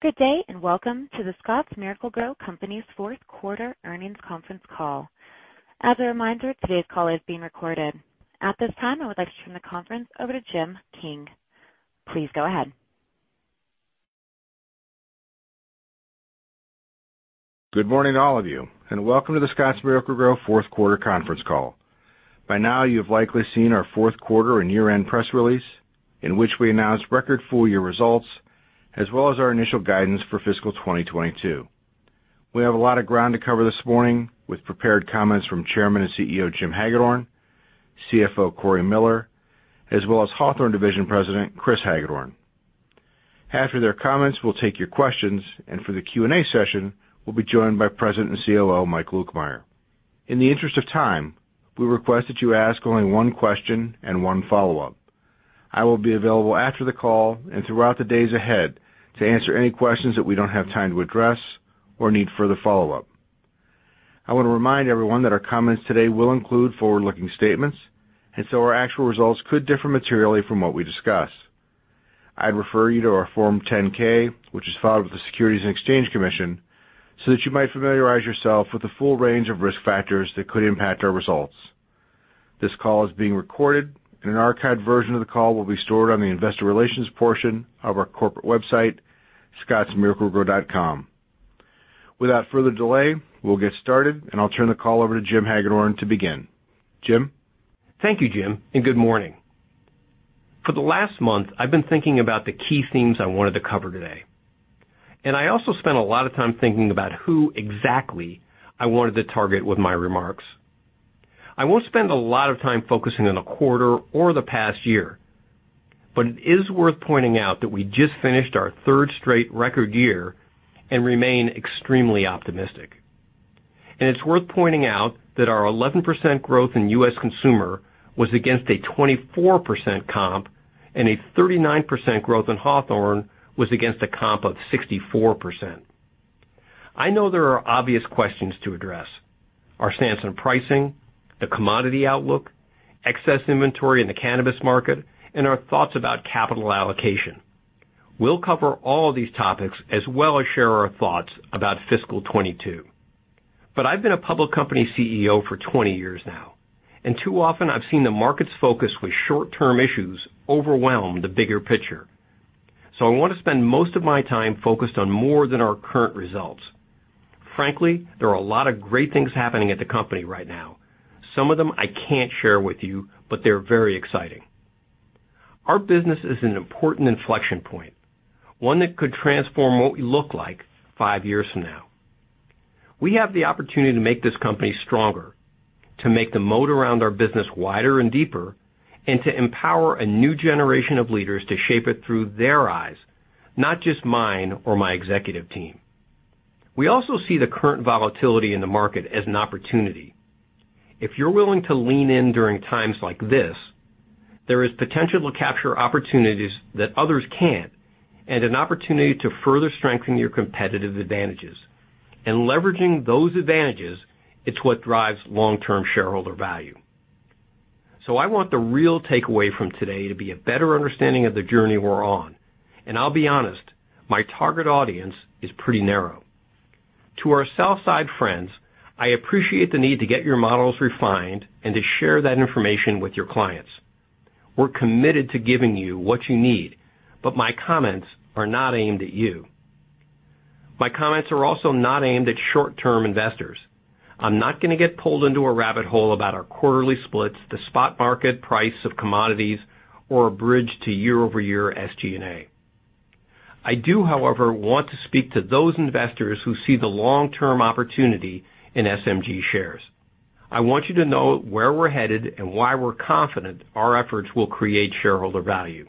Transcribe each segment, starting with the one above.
Good day, and welcome to The Scotts Miracle-Gro Company's fourth quarter earnings conference call. As a reminder, today's call is being recorded. At this time, I would like to turn the conference over to Jim King. Please go ahead. Good morning to all of you, and welcome to the Scotts Miracle-Gro fourth quarter conference call. By now, you've likely seen our fourth quarter and year-end press release in which we announced record full year results, as well as our initial guidance for fiscal 2022. We have a lot of ground to cover this morning with prepared comments from Chairman and CEO, Jim Hagedorn, CFO, Cory Miller, as well as Hawthorne Division President, Chris Hagedorn. After their comments, we'll take your questions, and for the Q&A session, we'll be joined by President and COO, Mike Lukemire. In the interest of time, we request that you ask only one question and one follow-up. I will be available after the call and throughout the days ahead to answer any questions that we don't have time to address or need further follow-up. I wanna remind everyone that our comments today will include forward-looking statements, and so our actual results could differ materially from what we discuss. I'd refer you to our Form 10-K, which is filed with the Securities and Exchange Commission, so that you might familiarize yourself with the full range of risk factors that could impact our results. This call is being recorded, and an archived version of the call will be stored on the investor relations portion of our corporate website, scottsmiraclegro.com. Without further delay, we'll get started, and I'll turn the call over to Jim Hagedorn to begin. Jim? Thank you, Jim, and good morning. For the last month, I've been thinking about the key themes I wanted to cover today. I also spent a lot of time thinking about who exactly I wanted to target with my remarks. I won't spend a lot of time focusing on the quarter or the past year, but it is worth pointing out that we just finished our third straight record year and remain extremely optimistic. It's worth pointing out that our 11% growth in U.S. consumer was against a 24% comp, and a 39% growth in Hawthorne was against a comp of 64%. I know there are obvious questions to address, our stance on pricing, the commodity outlook, excess inventory in the cannabis market, and our thoughts about capital allocation. We'll cover all of these topics, as well as share our thoughts about fiscal 2022. I've been a public company CEO for 20 years now, and too often I've seen the market's focus with short-term issues overwhelm the bigger picture. I wanna spend most of my time focused on more than our current results. Frankly, there are a lot of great things happening at the company right now. Some of them I can't share with you, but they're very exciting. Our business is an important inflection point, one that could transform what we look like five years from now. We have the opportunity to make this company stronger, to make the moat around our business wider and deeper, and to empower a new generation of leaders to shape it through their eyes, not just mine or my executive team. We also see the current volatility in the market as an opportunity. If you're willing to lean in during times like this, there is potential to capture opportunities that others can't and an opportunity to further strengthen your competitive advantages. Leveraging those advantages, it's what drives long-term shareholder value. I want the real takeaway from today to be a better understanding of the journey we're on, and I'll be honest, my target audience is pretty narrow. To our sell side friends, I appreciate the need to get your models refined and to share that information with your clients. We're committed to giving you what you need, but my comments are not aimed at you. My comments are also not aimed at short-term investors. I'm not gonna get pulled into a rabbit hole about our quarterly splits, the spot market price of commodities, or a bridge to year-over-year SG&A. I do, however, want to speak to those investors who see the long-term opportunity in SMG shares. I want you to know where we're headed and why we're confident our efforts will create shareholder value.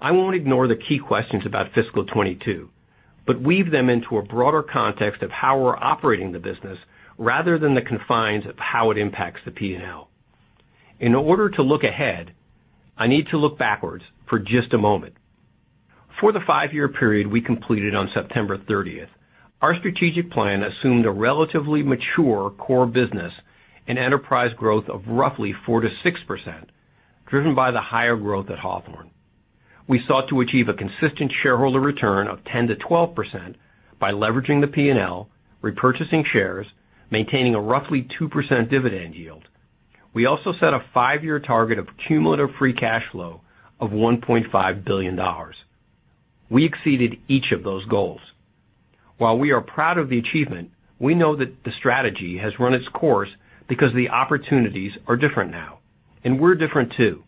I won't ignore the key questions about fiscal 2022 but weave them into a broader context of how we're operating the business rather than the confines of how it impacts the P&L. In order to look ahead, I need to look backwards for just a moment. For the five-year period we completed on September 30, our strategic plan assumed a relatively mature core business and enterprise growth of roughly 4%-6%, driven by the higher growth at Hawthorne. We sought to achieve a consistent shareholder return of 10%-12% by leveraging the P&L, repurchasing shares, maintaining a roughly 2% dividend yield. We also set a five-year target of cumulative free cash flow of $1.5 billion. We exceeded each of those goals. While we are proud of the achievement, we know that the strategy has run its course because the opportunities are different now, and we're different too.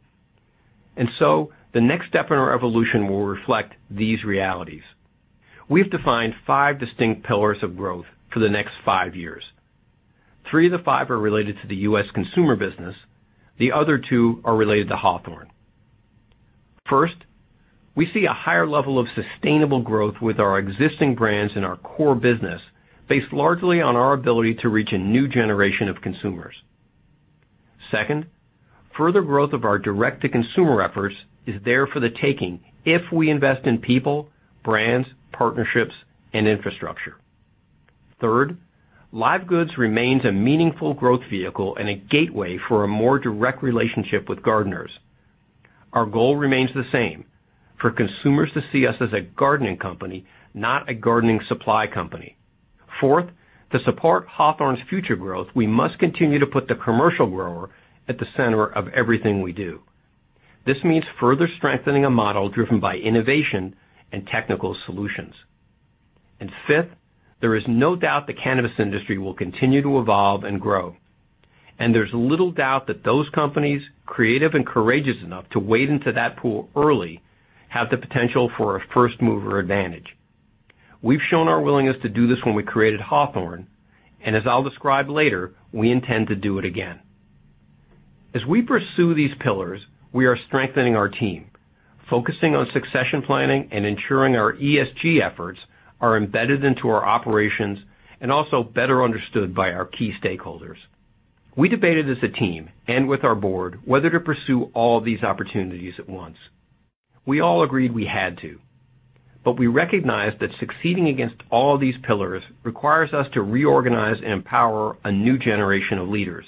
The next step in our evolution will reflect these realities. We've defined five distinct pillars of growth for the next five years. Three of the five are related to the U.S. consumer business. The other two are related to Hawthorne. First, we see a higher level of sustainable growth with our existing brands in our core business based largely on our ability to reach a new generation of consumers. Second, further growth of our direct-to-consumer efforts is there for the taking if we invest in people, brands, partnerships, and infrastructure. Third, live goods remains a meaningful growth vehicle and a gateway for a more direct relationship with gardeners. Our goal remains the same, for consumers to see us as a gardening company, not a gardening supply company. Fourth, to support Hawthorne's future growth, we must continue to put the commercial grower at the center of everything we do. This means further strengthening a model driven by innovation and technical solutions. Fifth, there is no doubt the cannabis industry will continue to evolve and grow, and there's little doubt that those companies creative and courageous enough to wade into that pool early have the potential for a first-mover advantage. We've shown our willingness to do this when we created Hawthorne, and as I'll describe later, we intend to do it again. As we pursue these pillars, we are strengthening our team, focusing on succession planning and ensuring our ESG efforts are embedded into our operations and also better understood by our key stakeholders. We debated as a team, and with our board, whether to pursue all these opportunities at once. We all agreed we had to, but we recognized that succeeding against all these pillars requires us to reorganize and empower a new generation of leaders.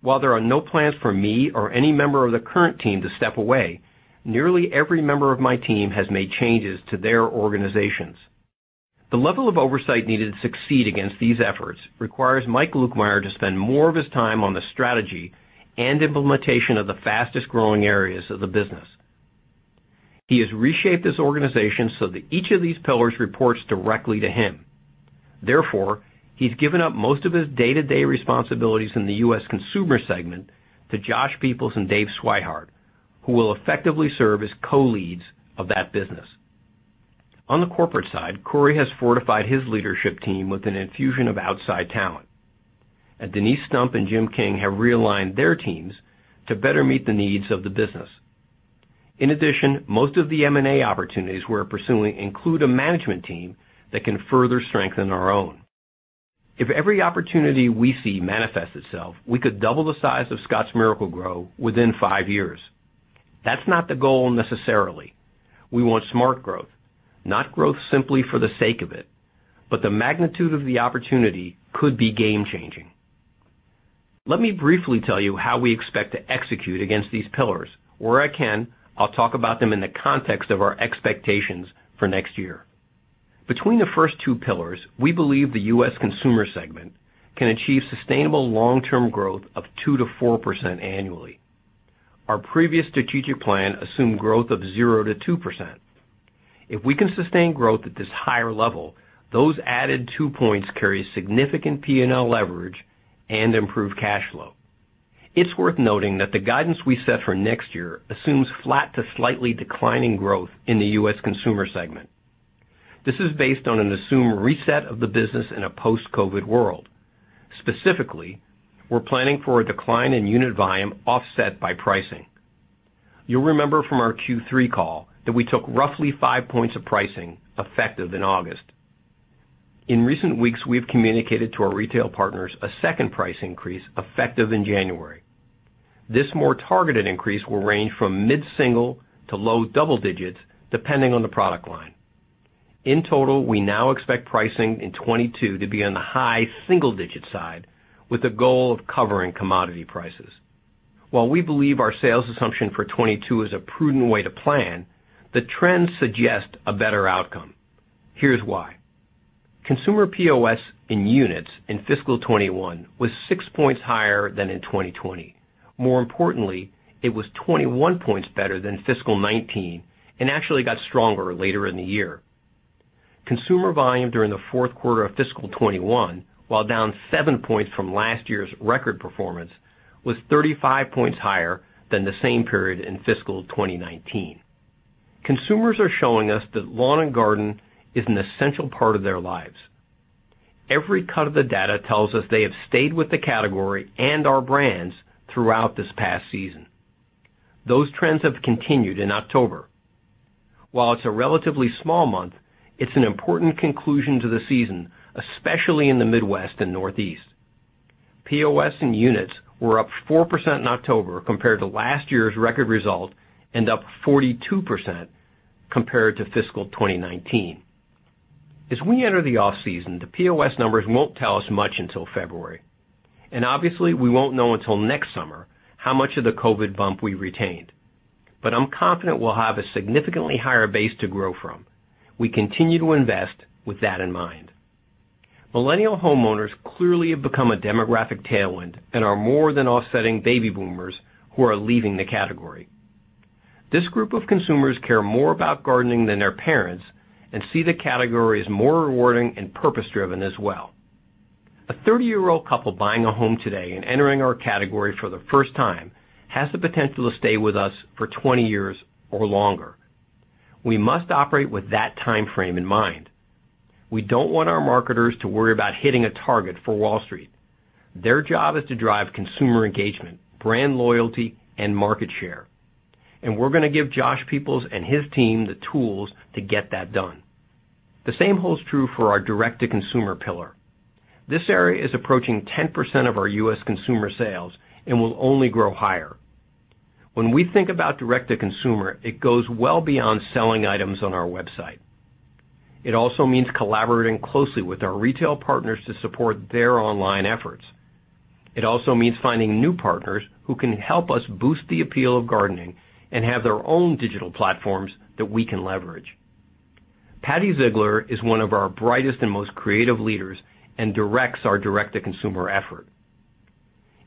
While there are no plans for me or any member of the current team to step away, nearly every member of my team has made changes to their organizations. The level of oversight needed to succeed against these efforts requires Mike Lukemire to spend more of his time on the strategy and implementation of the fastest-growing areas of the business. He has reshaped his organization so that each of these pillars reports directly to him. Therefore, he's given up most of his day-to-day responsibilities in the U.S. consumer segment to Josh Peoples and Dave Swihart, who will effectively serve as co-leads of that business. On the corporate side, Cory has fortified his leadership team with an infusion of outside talent, and Denise Stump and Jim King have realigned their teams to better meet the needs of the business. In addition, most of the M&A opportunities we're pursuing include a management team that can further strengthen our own. If every opportunity we see manifests itself, we could double the size of Scotts Miracle-Gro within five years. That's not the goal necessarily. We want smart growth, not growth simply for the sake of it, but the magnitude of the opportunity could be game-changing. Let me briefly tell you how we expect to execute against these pillars. Where I can, I'll talk about them in the context of our expectations for next year. Between the first two pillars, we believe the U.S. consumer segment can achieve sustainable long-term growth of 2%-4% annually. Our previous strategic plan assumed growth of 0%-2%. If we can sustain growth at this higher level, those added two points carry significant P&L leverage and improved cash flow. It's worth noting that the guidance we set for next year assumes flat to slightly declining growth in the U.S. consumer segment. This is based on an assumed reset of the business in a post-COVID world. Specifically, we're planning for a decline in unit volume offset by pricing. You'll remember from our Q3 call that we took roughly five points of pricing effective in August. In recent weeks, we have communicated to our retail partners a second price increase effective in January. This more targeted increase will range from mid-single to low double digits, depending on the product line. In total, we now expect pricing in 2022 to be on the high single-digit side with the goal of covering commodity prices. While we believe our sales assumption for 2022 is a prudent way to plan, the trends suggest a better outcome. Here's why. Consumer POS in units in fiscal 2021 was 6 points higher than in 2020. More importantly, it was 21 points better than fiscal 2019 and actually got stronger later in the year. Consumer volume during the fourth quarter of fiscal 2021, while down seven points from last year's record performance, was 35 points higher than the same period in fiscal 2019. Consumers are showing us that lawn and garden is an essential part of their lives. Every cut of the data tells us they have stayed with the category and our brands throughout this past season. Those trends have continued in October. While it's a relatively small month, it's an important conclusion to the season, especially in the Midwest and Northeast. POS in units were up 4% in October compared to last year's record result and up 42% compared to fiscal 2019. As we enter the off-season, the POS numbers won't tell us much until February, and obviously, we won't know until next summer how much of the COVID bump we retained. I'm confident we'll have a significantly higher base to grow from. We continue to invest with that in mind. Millennial homeowners clearly have become a demographic tailwind and are more than offsetting baby boomers who are leaving the category. This group of consumers care more about gardening than their parents and see the category as more rewarding and purpose-driven as well. A 30-year-old couple buying a home today and entering our category for the first time has the potential to stay with us for 20 years or longer. We must operate with that timeframe in mind. We don't want our marketers to worry about hitting a target for Wall Street. Their job is to drive consumer engagement, brand loyalty, and market share, and we're gonna give Josh Peoples and his team the tools to get that done. The same holds true for our direct-to-consumer pillar. This area is approaching 10% of our U.S. consumer sales and will only grow higher. When we think about direct-to-consumer, it goes well beyond selling items on our website. It also means collaborating closely with our retail partners to support their online efforts. It also means finding new partners who can help us boost the appeal of gardening and have their own digital platforms that we can leverage. Patti Ziegler is one of our brightest and most creative leaders and directs our direct-to-consumer effort.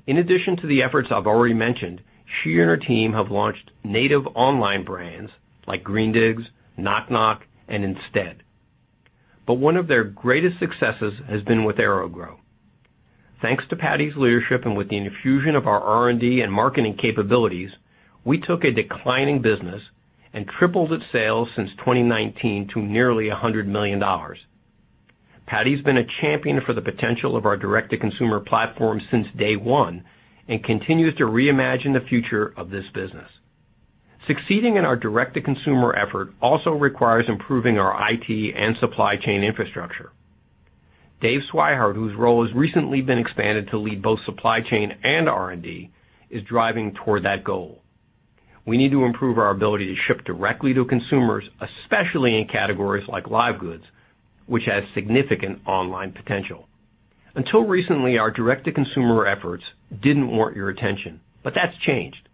In addition to the efforts I've already mentioned, she and her team have launched native online brands like Greendigs, Knock Knock, and Instead. One of their greatest successes has been with AeroGrow. Thanks to Patti's leadership and with the infusion of our R&D and marketing capabilities, we took a declining business and tripled its sales since 2019 to nearly $100 million. Patti's been a champion for the potential of our direct-to-consumer platform since day one and continues to reimagine the future of this business. Succeeding in our direct-to-consumer effort also requires improving our IT and supply chain infrastructure. Dave Swihart, whose role has recently been expanded to lead both supply chain and R&D, is driving toward that goal. We need to improve our ability to ship directly to consumers, especially in categories like live goods, which has significant online potential. Until recently, our direct-to-consumer efforts didn't warrant your attention, but that's changed.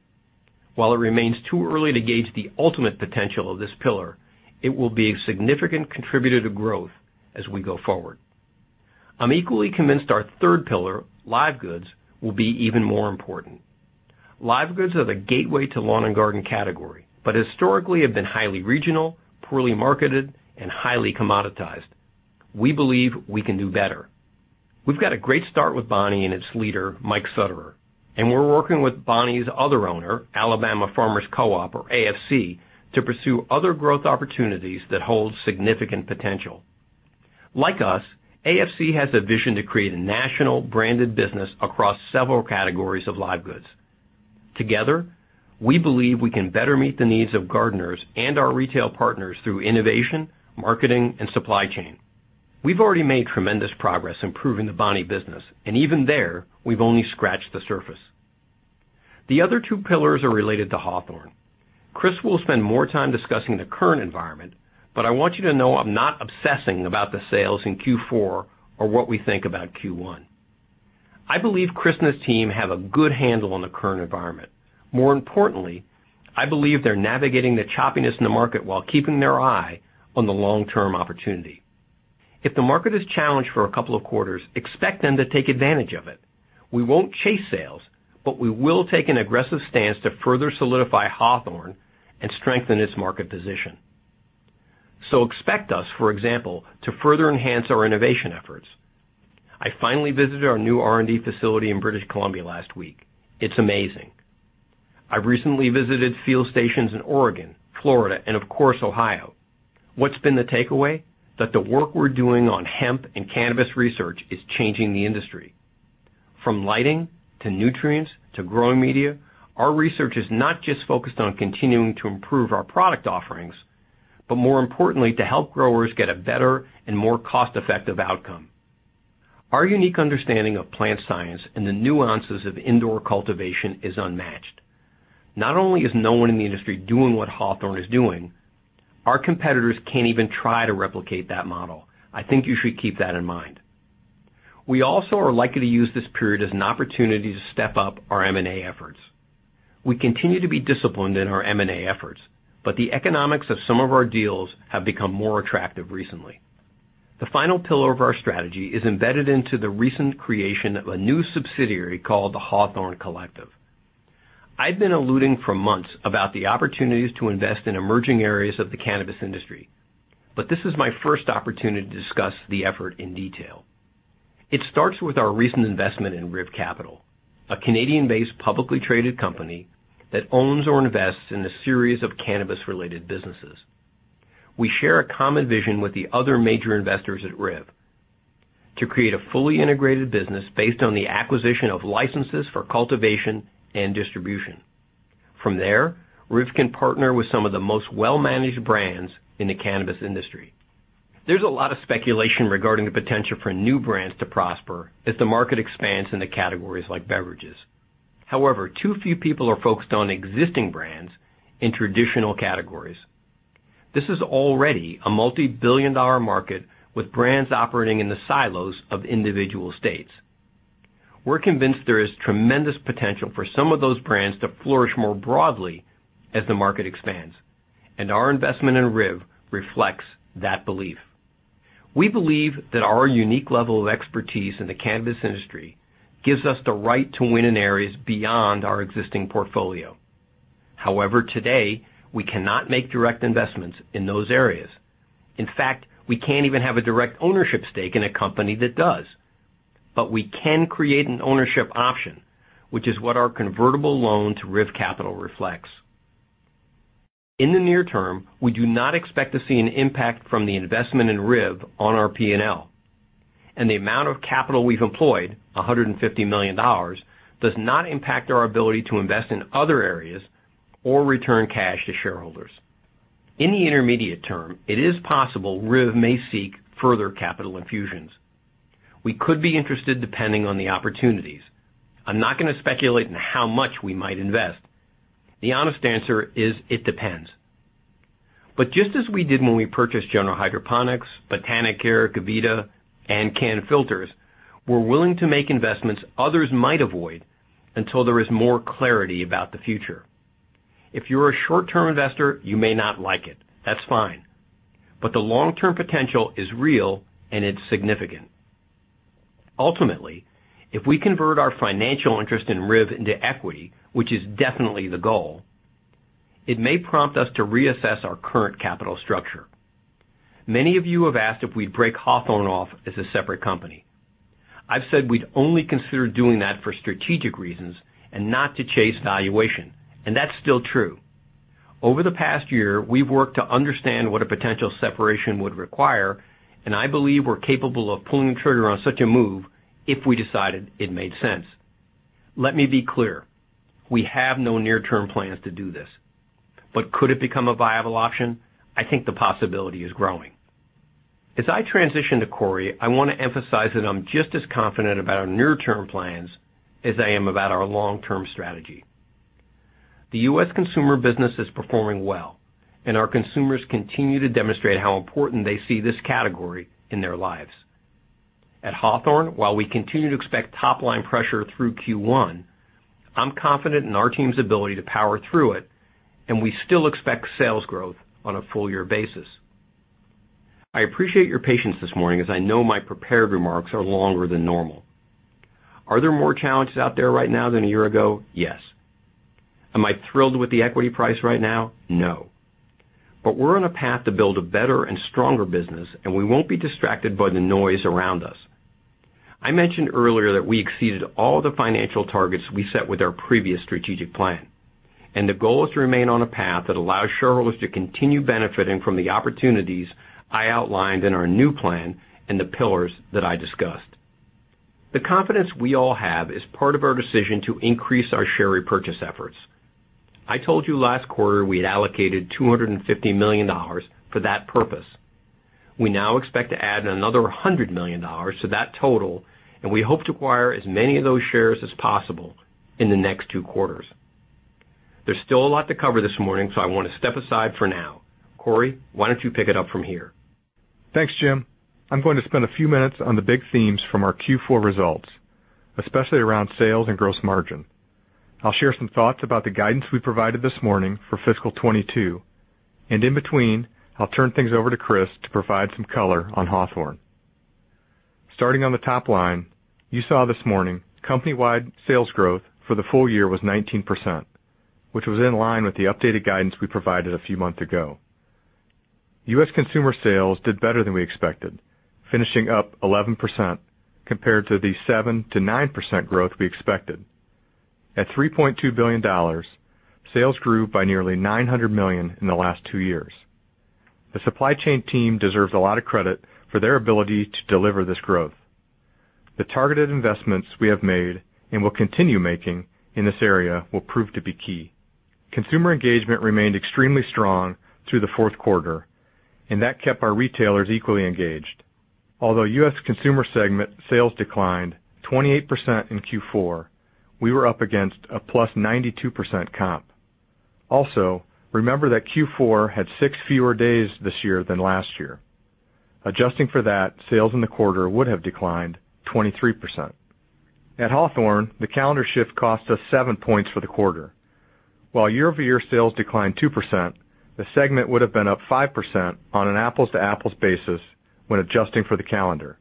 While it remains too early to gauge the ultimate potential of this pillar, it will be a significant contributor to growth as we go forward. I'm equally convinced our third pillar, live goods, will be even more important. Live goods are the gateway to lawn and garden category, but historically have been highly regional, poorly marketed, and highly commoditized. We believe we can do better. We've got a great start with Bonnie and its leader, Mike Sutterer, and we're working with Bonnie's other owner, Alabama Farmers Cooperative, or AFC, to pursue other growth opportunities that hold significant potential. Like us, AFC has a vision to create a national branded business across several categories of live goods. Together, we believe we can better meet the needs of gardeners and our retail partners through innovation, marketing, and supply chain. We've already made tremendous progress improving the Bonnie business, and even there, we've only scratched the surface. The other two pillars are related to Hawthorne. Chris will spend more time discussing the current environment, but I want you to know I'm not obsessing about the sales in Q4 or what we think about Q1. I believe Chris and his team have a good handle on the current environment. More importantly, I believe they're navigating the choppiness in the market while keeping their eye on the long-term opportunity. If the market is challenged for a couple of quarters, expect them to take advantage of it. We won't chase sales, but we will take an aggressive stance to further solidify Hawthorne and strengthen its market position. Expect us, for example, to further enhance our innovation efforts. I finally visited our new R&D facility in British Columbia last week. It's amazing. I recently visited field stations in Oregon, Florida, and of course, Ohio. What's been the takeaway? That the work we're doing on hemp and cannabis research is changing the industry. From lighting to nutrients to growing media, our research is not just focused on continuing to improve our product offerings, but more importantly, to help growers get a better and more cost-effective outcome. Our unique understanding of plant science and the nuances of indoor cultivation is unmatched. Not only is no one in the industry doing what Hawthorne is doing, our competitors can't even try to replicate that model. I think you should keep that in mind. We also are likely to use this period as an opportunity to step up our M&A efforts. We continue to be disciplined in our M&A efforts, but the economics of some of our deals have become more attractive recently. The final pillar of our strategy is embedded into the recent creation of a new subsidiary called The Hawthorne Collective. I've been alluding for months about the opportunities to invest in emerging areas of the cannabis industry, but this is my first opportunity to discuss the effort in detail. It starts with our recent investment in RIV Capital, a Canadian-based publicly traded company that owns or invests in a series of cannabis-related businesses. We share a common vision with the other major investors at RIV to create a fully integrated business based on the acquisition of licenses for cultivation and distribution. From there, RIV can partner with some of the most well-managed brands in the cannabis industry. There's a lot of speculation regarding the potential for new brands to prosper as the market expands into categories like beverages. However, too few people are focused on existing brands in traditional categories. This is already a multibillion-dollar market with brands operating in the silos of individual states. We're convinced there is tremendous potential for some of those brands to flourish more broadly as the market expands, and our investment in RIV reflects that belief. We believe that our unique level of expertise in the cannabis industry gives us the right to win in areas beyond our existing portfolio. However, today, we cannot make direct investments in those areas. In fact, we can't even have a direct ownership stake in a company that does. But we can create an ownership option, which is what our convertible loan to RIV Capital reflects. In the near term, we do not expect to see an impact from the investment in RIV on our P&L. The amount of capital we've employed, $150 million, does not impact our ability to invest in other areas or return cash to shareholders. In the intermediate term, it is possible RIV may seek further capital infusions. We could be interested depending on the opportunities. I'm not gonna speculate on how much we might invest. The honest answer is it depends. Just as we did when we purchased General Hydroponics, Botanicare, Gavita, and Can-Filters, we're willing to make investments others might avoid until there is more clarity about the future. If you're a short-term investor, you may not like it. That's fine, but the long-term potential is real and it's significant. Ultimately, if we convert our financial interest in RIV into equity, which is definitely the goal, it may prompt us to reassess our current capital structure. Many of you have asked if we'd break Hawthorne off as a separate company. I've said we'd only consider doing that for strategic reasons and not to chase valuation, and that's still true. Over the past year, we've worked to understand what a potential separation would require, and I believe we're capable of pulling the trigger on such a move if we decided it made sense. Let me be clear, we have no near-term plans to do this. Could it become a viable option? I think the possibility is growing. As I transition to Cory, I wanna emphasize that I'm just as confident about our near-term plans as I am about our long-term strategy. The U.S. consumer business is performing well, and our consumers continue to demonstrate how important they see this category in their lives. At Hawthorne, while we continue to expect top-line pressure through Q1, I'm confident in our team's ability to power through it, and we still expect sales growth on a full-year basis. I appreciate your patience this morning, as I know my prepared remarks are longer than normal. Are there more challenges out there right now than a year ago? Yes. Am I thrilled with the equity price right now? No. We're on a path to build a better and stronger business, and we won't be distracted by the noise around us. I mentioned earlier that we exceeded all the financial targets we set with our previous strategic plan, and the goal is to remain on a path that allows shareholders to continue benefiting from the opportunities I outlined in our new plan and the pillars that I discussed. The confidence we all have is part of our decision to increase our share repurchase efforts. I told you last quarter we had allocated $250 million for that purpose. We now expect to add another $100 million to that total, and we hope to acquire as many of those shares as possible in the next two quarters. There's still a lot to cover this morning, so I wanna step aside for now. Cory, why don't you pick it up from here? Thanks, Jim. I'm going to spend a few minutes on the big themes from our Q4 results, especially around sales and gross margin. I'll share some thoughts about the guidance we provided this morning for fiscal 2022, and in between, I'll turn things over to Chris to provide some color on Hawthorne. Starting on the top line, you saw this morning, company-wide sales growth for the full year was 19%, which was in line with the updated guidance we provided a few months ago. U.S. consumer sales did better than we expected, finishing up 11% compared to the 7%-9% growth we expected. At $3.2 billion, sales grew by nearly $900 million in the last two years. The supply chain team deserves a lot of credit for their ability to deliver this growth. The targeted investments we have made and will continue making in this area will prove to be key. Consumer engagement remained extremely strong through the fourth quarter, and that kept our retailers equally engaged. Although U.S. consumer segment sales declined 28% in Q4, we were up against a +92% comp. Also, remember that Q4 had six fewer days this year than last year. Adjusting for that, sales in the quarter would have declined 23%. At Hawthorne, the calendar shift cost us seven points for the quarter. While year-over-year sales declined 2%, the segment would have been up 5% on an apples-to-apples basis when adjusting for the calendar.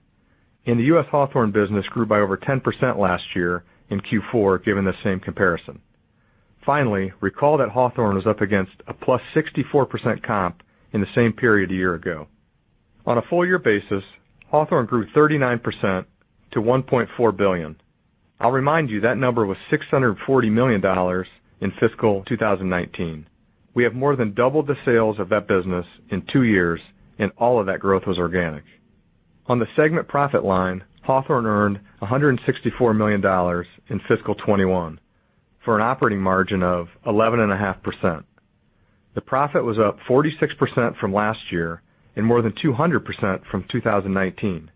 In the U.S., Hawthorne business grew by over 10% last year in Q4, given the same comparison. Finally, recall that Hawthorne was up against a +64% comp in the same period a year ago. On a full year basis, Hawthorne grew 39% to $1.4 billion. I'll remind you that number was $640 million in fiscal 2019. We have more than doubled the sales of that business in two years, and all of that growth was organic. On the segment profit line, Hawthorne earned $164 million in fiscal 2021, for an operating margin of 11.5%. The profit was up 46% from last year and more than 200% from 2019.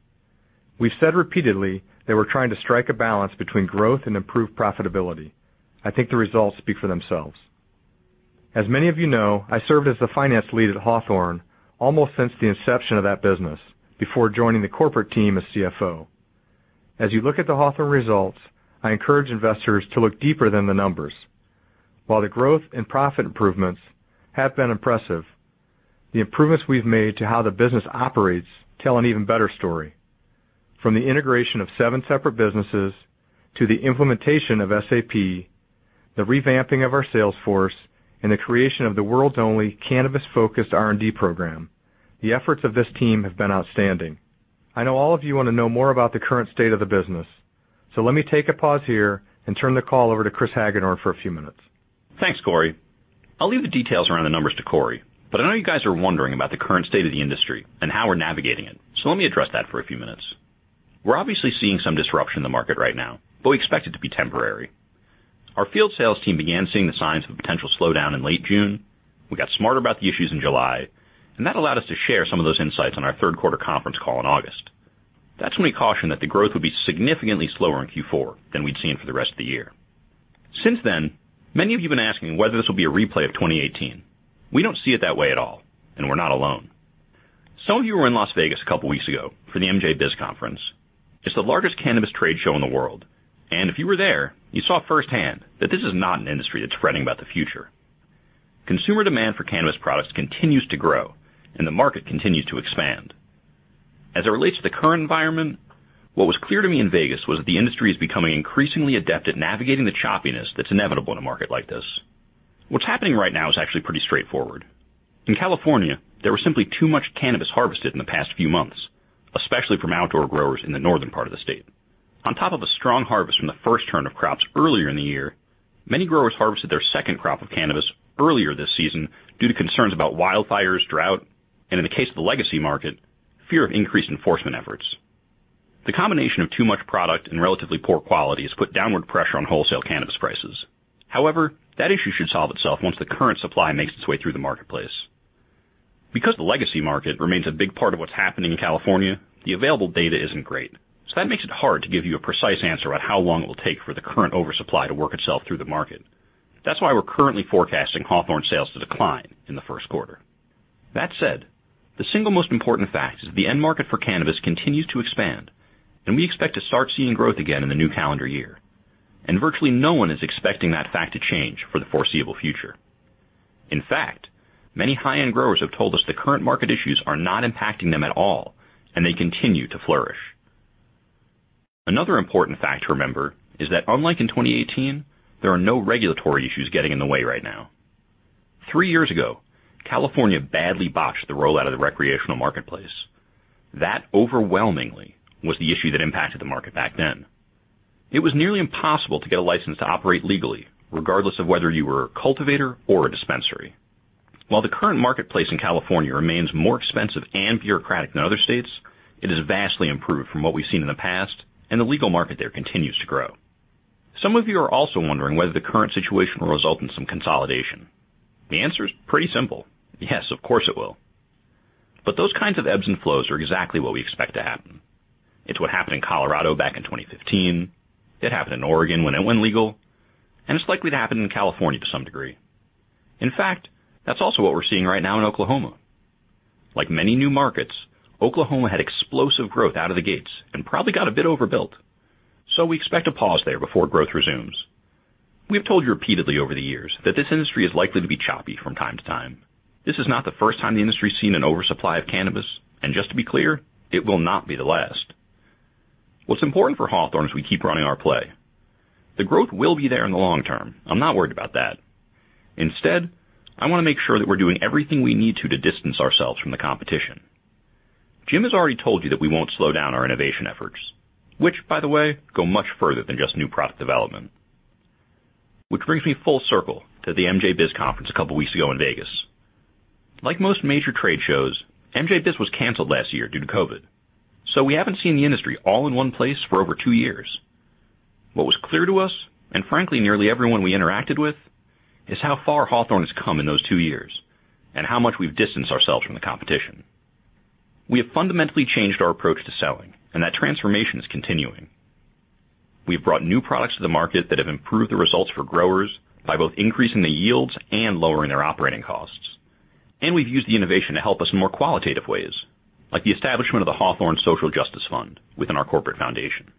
We've said repeatedly that we're trying to strike a balance between growth and improved profitability. I think the results speak for themselves. As many of you know, I served as the finance lead at Hawthorne almost since the inception of that business before joining the corporate team as CFO. As you look at the Hawthorne results, I encourage investors to look deeper than the numbers. While the growth and profit improvements have been impressive, the improvements we've made to how the business operates tell an even better story. From the integration of seven separate businesses to the implementation of SAP, the revamping of our sales force, and the creation of the world's only cannabis-focused R&D program, the efforts of this team have been outstanding. I know all of you wanna know more about the current state of the business, so let me take a pause here and turn the call over to Chris Hagedorn for a few minutes. Thanks, Cory. I'll leave the details around the numbers to Cory. I know you guys are wondering about the current state of the industry and how we're navigating it, so let me address that for a few minutes. We're obviously seeing some disruption in the market right now, but we expect it to be temporary. Our field sales team began seeing the signs of a potential slowdown in late June. We got smarter about the issues in July, and that allowed us to share some of those insights on our third quarter conference call in August. That's when we cautioned that the growth would be significantly slower in Q4 than we'd seen for the rest of the year. Since then, many of you have been asking whether this will be a replay of 2018. We don't see it that way at all, and we're not alone. Some of you were in Las Vegas a couple weeks ago for the MJBizCon conference. It's the largest cannabis trade show in the world. If you were there, you saw firsthand that this is not an industry that's fretting about the future. Consumer demand for cannabis products continues to grow, and the market continues to expand. As it relates to the current environment, what was clear to me in Vegas was that the industry is becoming increasingly adept at navigating the choppiness that's inevitable in a market like this. What's happening right now is actually pretty straightforward. In California, there was simply too much cannabis harvested in the past few months, especially from outdoor growers in the northern part of the state. On top of a strong harvest from the first turn of crops earlier in the year, many growers harvested their second crop of cannabis earlier this season due to concerns about wildfires, drought, and in the case of the legacy market, fear of increased enforcement efforts. The combination of too much product and relatively poor quality has put downward pressure on wholesale cannabis prices. However, that issue should solve itself once the current supply makes its way through the marketplace. Because the legacy market remains a big part of what's happening in California, the available data isn't great, so that makes it hard to give you a precise answer on how long it will take for the current oversupply to work itself through the market. That's why we're currently forecasting Hawthorne sales to decline in the first quarter. That said, the single most important fact is the end market for cannabis continues to expand, and we expect to start seeing growth again in the new calendar year, and virtually no one is expecting that fact to change for the foreseeable future. In fact, many high-end growers have told us the current market issues are not impacting them at all, and they continue to flourish. Another important fact to remember is that unlike in 2018, there are no regulatory issues getting in the way right now. Three years ago, California badly botched the rollout of the recreational marketplace. That overwhelmingly was the issue that impacted the market back then. It was nearly impossible to get a license to operate legally, regardless of whether you were a cultivator or a dispensary. While the current marketplace in California remains more expensive and bureaucratic than other states, it has vastly improved from what we've seen in the past, and the legal market there continues to grow. Some of you are also wondering whether the current situation will result in some consolidation. The answer is pretty simple. Yes, of course, it will. Those kinds of ebbs and flows are exactly what we expect to happen. It's what happened in Colorado back in 2015. It happened in Oregon when it went legal, and it's likely to happen in California to some degree. In fact, that's also what we're seeing right now in Oklahoma. Like many new markets, Oklahoma had explosive growth out of the gates and probably got a bit overbuilt. We expect a pause there before growth resumes. We have told you repeatedly over the years that this industry is likely to be choppy from time to time. This is not the first time the industry has seen an oversupply of cannabis, and just to be clear, it will not be the last. What's important for Hawthorne is we keep running our play. The growth will be there in the long term. I'm not worried about that. Instead, I wanna make sure that we're doing everything we need to distance ourselves from the competition. Jim has already told you that we won't slow down our innovation efforts, which, by the way, go much further than just new product development. Which brings me full circle to the MJBizCon conference a couple weeks ago in Vegas. Like most major trade shows, MJBizCon was canceled last year due to COVID, so we haven't seen the industry all in one place for over two years. What was clear to us, and frankly, nearly everyone we interacted with, is how far Hawthorne has come in those two years and how much we've distanced ourselves from the competition. We have fundamentally changed our approach to selling, and that transformation is continuing. We have brought new products to the market that have improved the results for growers by both increasing the yields and lowering their operating costs. We've used the innovation to help us in more qualitative ways, like the establishment of the Hawthorne Social Justice Fund within our corporate foundation.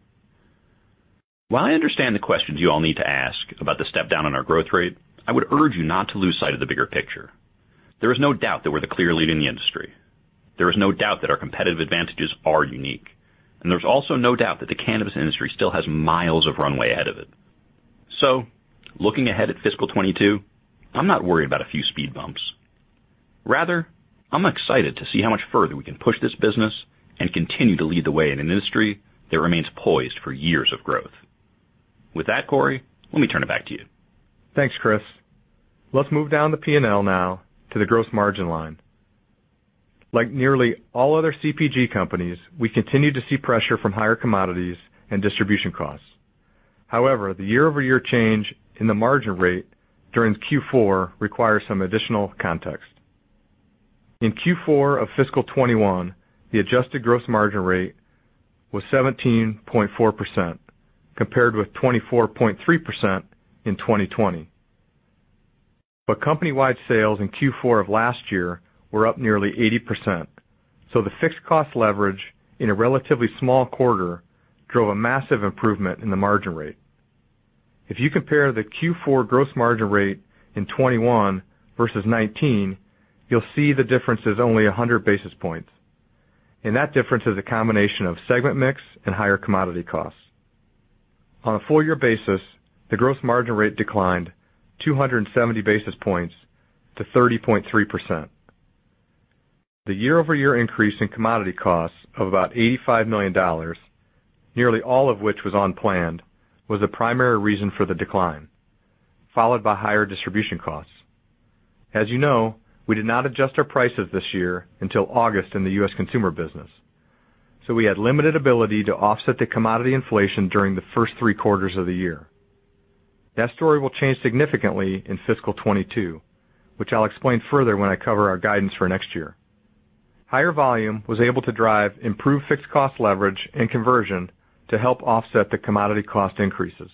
While I understand the questions you all need to ask about the step down on our growth rate, I would urge you not to lose sight of the bigger picture. There is no doubt that we're the clear leader in the industry. There is no doubt that our competitive advantages are unique, and there's also no doubt that the cannabis industry still has miles of runway ahead of it. Looking ahead at fiscal 2022, I'm not worried about a few speed bumps. Rather, I'm excited to see how much further we can push this business and continue to lead the way in an industry that remains poised for years of growth. With that, Cory, let me turn it back to you. Thanks, Chris. Let's move down the P&L now to the gross margin line. Like nearly all other CPG companies, we continue to see pressure from higher commodities and distribution costs. However, the year-over-year change in the margin rate during Q4 requires some additional context. In Q4 of fiscal 2021, the adjusted gross margin rate was 17.4%, compared with 24.3% in 2020. Company-wide sales in Q4 of last year were up nearly 80%, so the fixed cost leverage in a relatively small quarter drove a massive improvement in the margin rate. If you compare the Q4 gross margin rate in 2021 versus 2019, you'll see the difference is only 100 basis points, and that difference is a combination of segment mix and higher commodity costs. On a full-year basis, the gross margin rate declined 270 basis points to 30.3%. The year-over-year increase in commodity costs of about $85 million, nearly all of which was unplanned, was the primary reason for the decline, followed by higher distribution costs. As you know, we did not adjust our prices this year until August in the U.S. consumer business, so we had limited ability to offset the commodity inflation during the first three quarters of the year. That story will change significantly in fiscal 2022, which I'll explain further when I cover our guidance for next year. Higher volume was able to drive improved fixed cost leverage and conversion to help offset the commodity cost increases.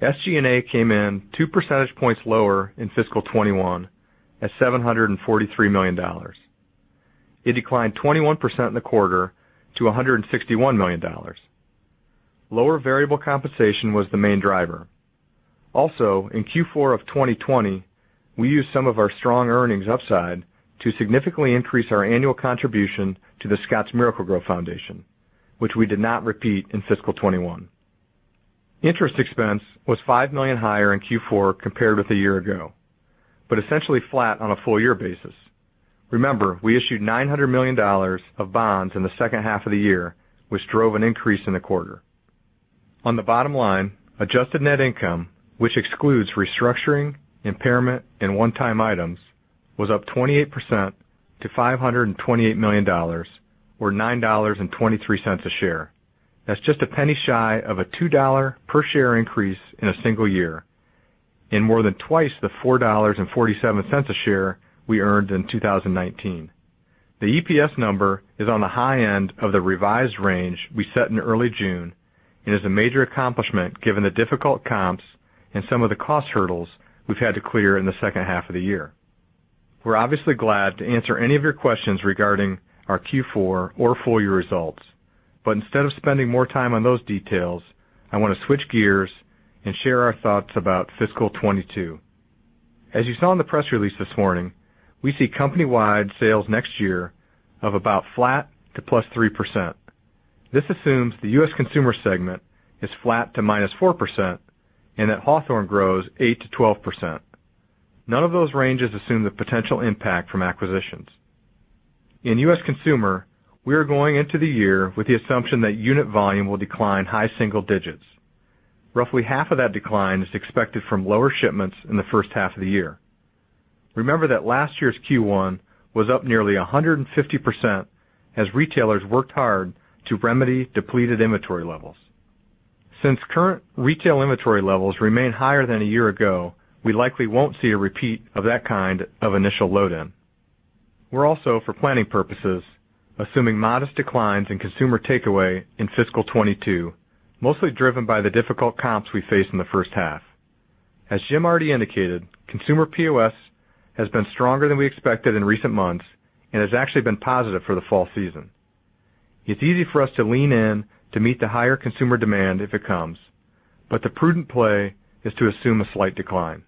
SG&A came in 2% points lower in fiscal 2021 at $743 million. It declined 21% in the quarter to $161 million. Lower variable compensation was the main driver. Also, in Q4 of 2020, we used some of our strong earnings upside to significantly increase our annual contribution to The Scotts Miracle-Gro Foundation, which we did not repeat in fiscal 2021. Interest expense was $5 million higher in Q4 compared with a year ago, but essentially flat on a full year basis. Remember, we issued $900 million of bonds in the second half of the year, which drove an increase in the quarter. On the bottom line, adjusted net income, which excludes restructuring, impairment, and one-time items, was up 28% to $528 million or $9.23 a share. That's just a penny shy of a $2 per share increase in a single year and more than twice the $4.47 a share we earned in 2019. The EPS number is on the high end of the revised range we set in early June and is a major accomplishment given the difficult comps and some of the cost hurdles we've had to clear in the second half of the year. We're obviously glad to answer any of your questions regarding our Q4 or full year results, but instead of spending more time on those details, I want to switch gears and share our thoughts about fiscal 2022. As you saw in the press release this morning, we see company-wide sales next year of about flat to +3%. This assumes the U.S. consumer segment is flat to -4% and that Hawthorne grows 8%-12%. None of those ranges assume the potential impact from acquisitions. In U.S. consumer, we are going into the year with the assumption that unit volume will decline high single digits. Roughly half of that decline is expected from lower shipments in the first half of the year. Remember that last year's Q1 was up nearly 150% as retailers worked hard to remedy depleted inventory levels. Since current retail inventory levels remain higher than a year ago, we likely won't see a repeat of that kind of initial load in. We're also, for planning purposes, assuming modest declines in consumer takeaway in fiscal 2022, mostly driven by the difficult comps we face in the first half. As Jim already indicated, consumer POS has been stronger than we expected in recent months and has actually been positive for the fall season. It's easy for us to lean in to meet the higher consumer demand if it comes, but the prudent play is to assume a slight decline.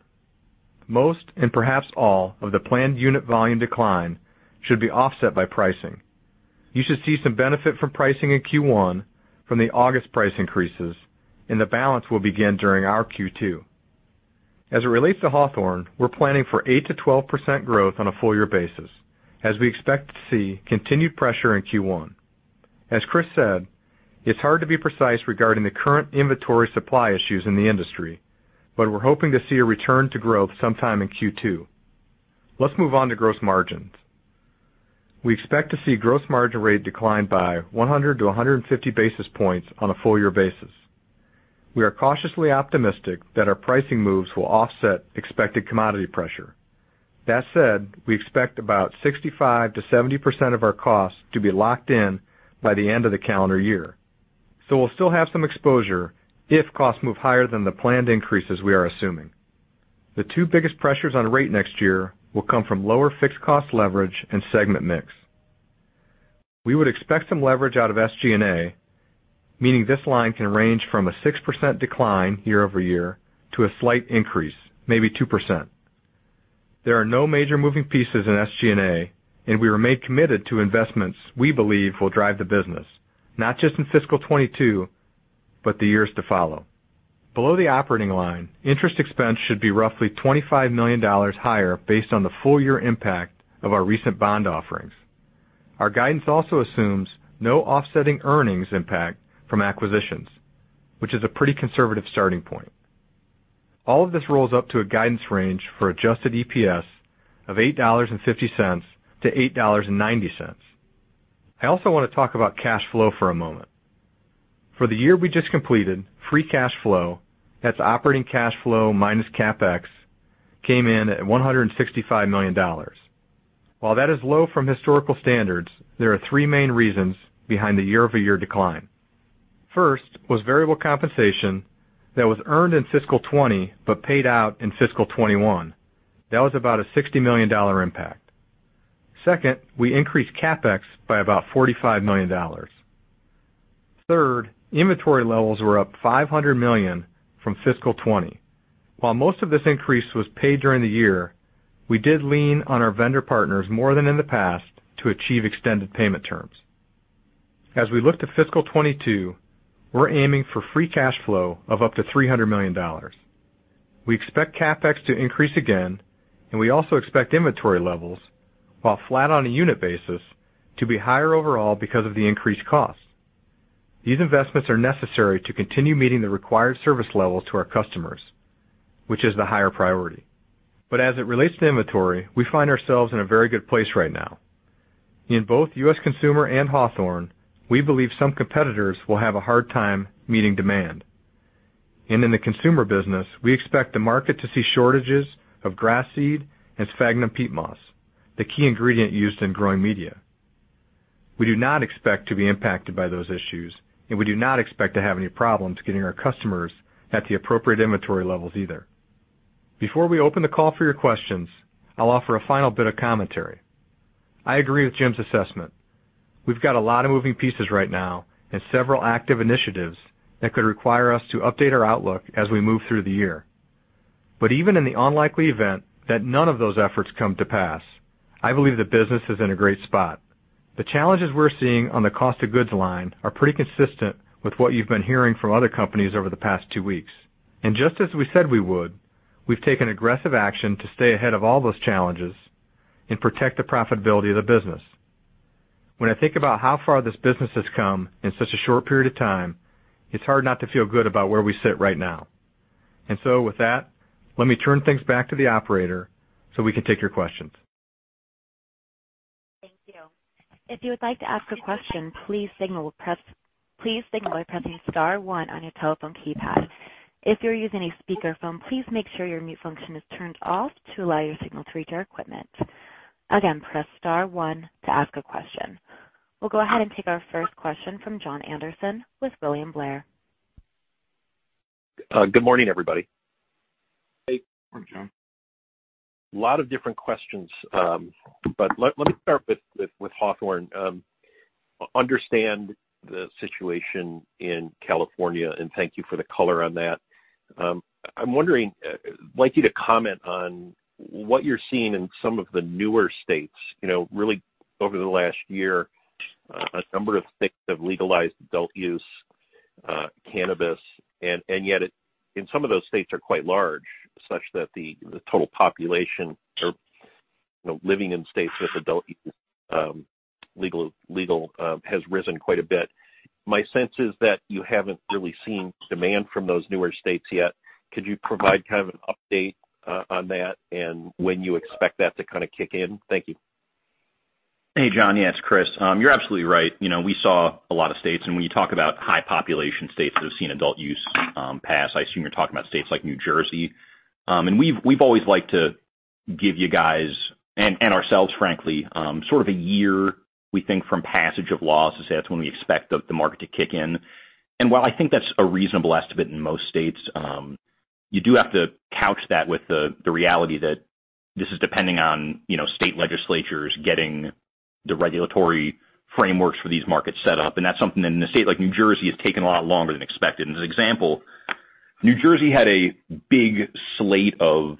Most, and perhaps all, of the planned unit volume decline should be offset by pricing. You should see some benefit from pricing in Q1 from the August price increases, and the balance will begin during our Q2. As it relates to Hawthorne, we're planning for 8%-12% growth on a full year basis as we expect to see continued pressure in Q1. As Chris said, it's hard to be precise regarding the current inventory supply issues in the industry, but we're hoping to see a return to growth sometime in Q2. Let's move on to gross margins. We expect to see gross margin rate decline by 100-150 basis points on a full year basis. We are cautiously optimistic that our pricing moves will offset expected commodity pressure. That said, we expect about 65%-70% of our costs to be locked in by the end of the calendar year. We'll still have some exposure if costs move higher than the planned increases we are assuming. The two biggest pressures on rate next year will come from lower fixed cost leverage and segment mix. We would expect some leverage out of SG&A, meaning this line can range from a 6% decline year-over-year to a slight increase, maybe 2%. There are no major moving pieces in SG&A, and we remain committed to investments we believe will drive the business, not just in fiscal 2022, but the years to follow. Below the operating line, interest expense should be roughly $25 million higher based on the full year impact of our recent bond offerings. Our guidance also assumes no offsetting earnings impact from acquisitions, which is a pretty conservative starting point. All of this rolls up to a guidance range for adjusted EPS of $8.50-$8.90. I also want to talk about cash flow for a moment. For the year we just completed, free cash flow, that's operating cash flow minus CapEx, came in at $165 million. While that is low from historical standards, there are three main reasons behind the year-over-year decline. First was variable compensation that was earned in fiscal 2020, but paid out in fiscal 2021. That was about a $60 million impact. Second, we increased CapEx by about $45 million. Third, inventory levels were up $500 million from fiscal 2020. While most of this increase was paid during the year, we did lean on our vendor partners more than in the past to achieve extended payment terms. As we look to fiscal 2022, we're aiming for free cash flow of up to $300 million. We expect CapEx to increase again, and we also expect inventory levels, while flat on a unit basis, to be higher overall because of the increased costs. These investments are necessary to continue meeting the required service levels to our customers, which is the higher priority. As it relates to inventory, we find ourselves in a very good place right now. In both U.S. consumer and Hawthorne, we believe some competitors will have a hard time meeting demand. In the consumer business, we expect the market to see shortages of grass seed and sphagnum peat moss, the key ingredient used in growing media. We do not expect to be impacted by those issues, and we do not expect to have any problems getting our customers at the appropriate inventory levels either. Before we open the call for your questions, I'll offer a final bit of commentary. I agree with Jim's assessment. We've got a lot of moving pieces right now and several active initiatives that could require us to update our outlook as we move through the year. Even in the unlikely event that none of those efforts come to pass, I believe the business is in a great spot. The challenges we're seeing on the cost of goods line are pretty consistent with what you've been hearing from other companies over the past two weeks. Just as we said we would, we've taken aggressive action to stay ahead of all those challenges and protect the profitability of the business. When I think about how far this business has come in such a short period of time, it's hard not to feel good about where we sit right now. With that, let me turn things back to the operator so we can take your questions. Thank you. If you would like to ask a question, please signal by pressing star 1 on your telephone keypad. If you're using a speakerphone, please make sure your mute function is turned off to allow your signal to reach our equipment. Again, press star 1 to ask a question. We'll go ahead and take our first question from Jon Andersen with William Blair. Good morning, everybody. Hey. Good morning, Jon. A lot of different questions, but let me start with Hawthorne. I understand the situation in California, and thank you for the color on that. I'm wondering, I'd like you to comment on what you're seeing in some of the newer states. You know, really over the last year, a number of states have legalized adult use cannabis. Yet some of those states are quite large, such that the total population living in states with adult use legal has risen quite a bit. My sense is that you haven't really seen demand from those newer states yet. Could you provide kind of an update on that and when you expect that to kinda kick in? Thank you. Hey, John. Yes, it's Chris. You're absolutely right. You know, we saw a lot of states, and when you talk about high population states that have seen adult use pass, I assume you're talking about states like New Jersey. We've always liked to give you guys, and ourselves, frankly, sort of a year we think from passage of laws to say that's when we expect the market to kick in. While I think that's a reasonable estimate in most states, you do have to couch that with the reality that this is depending on, you know, state legislatures getting the regulatory frameworks for these markets set up, and that's something that in a state like New Jersey has taken a lot longer than expected. As an example, New Jersey had a big slate of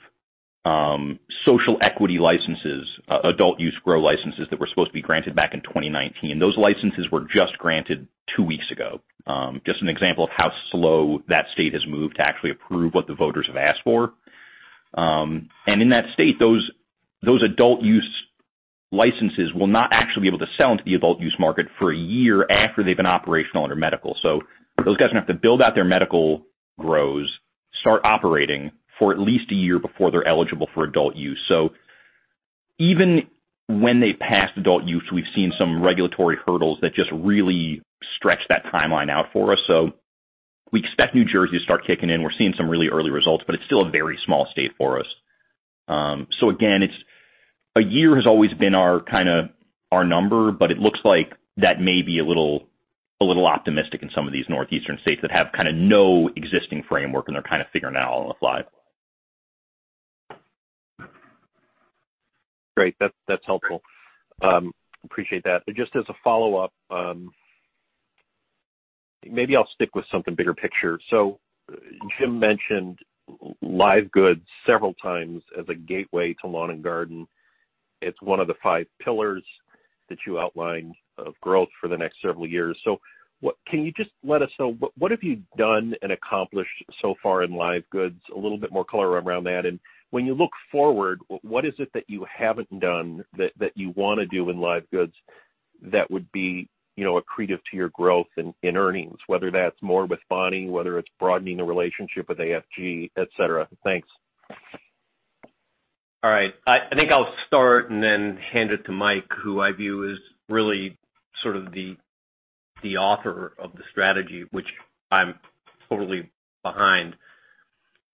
social equity licenses, adult use grow licenses that were supposed to be granted back in 2019. Those licenses were just granted two weeks ago. Just an example of how slow that state has moved to actually approve what the voters have asked for. In that state, those adult use licenses will not actually be able to sell into the adult use market for a year after they've been operational under medical. Those guys are gonna have to build out their medical grows, start operating for at least a year before they're eligible for adult use. Even when they passed adult use, we've seen some regulatory hurdles that just really stretch that timeline out for us. We expect New Jersey to start kicking in. We're seeing some really early results, but it's still a very small state for us. A year has always been our kind of number, but it looks like that may be a little optimistic in some of these Northeastern states that have kind of no existing framework and they're kind of figuring it out on the fly. Great. That's helpful. Appreciate that. Just as a follow-up, maybe I'll stick with something bigger picture. Jim mentioned live goods several times as a gateway to lawn and garden. It's one of the five pillars that you outlined of growth for the next several years. What have you done and accomplished so far in live goods? A little bit more color around that. When you look forward, what is it that you haven't done that you wanna do in live goods that would be, you know, accretive to your growth in earnings, whether that's more with Bonnie, whether it's broadening the relationship with AFC, et cetera. Thanks. All right. I think I'll start and then hand it to Mike, who I view as really sort of the author of the strategy, which I'm totally behind.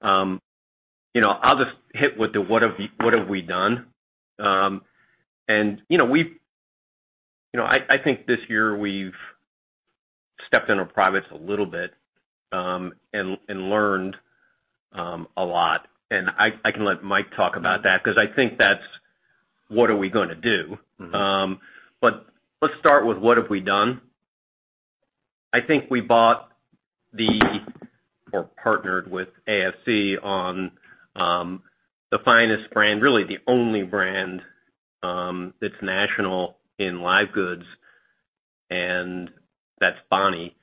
You know, I'll just hit with the what have we done. You know, I think this year we've stepped on our privates a little bit, and learned a lot. I can let Mike talk about that 'cause I think that's what are we gonna do. Let's start with what have we done. I think we bought or partnered with AFC on the finest brand, really the only brand, that's national in live goods, and that's Bonnie.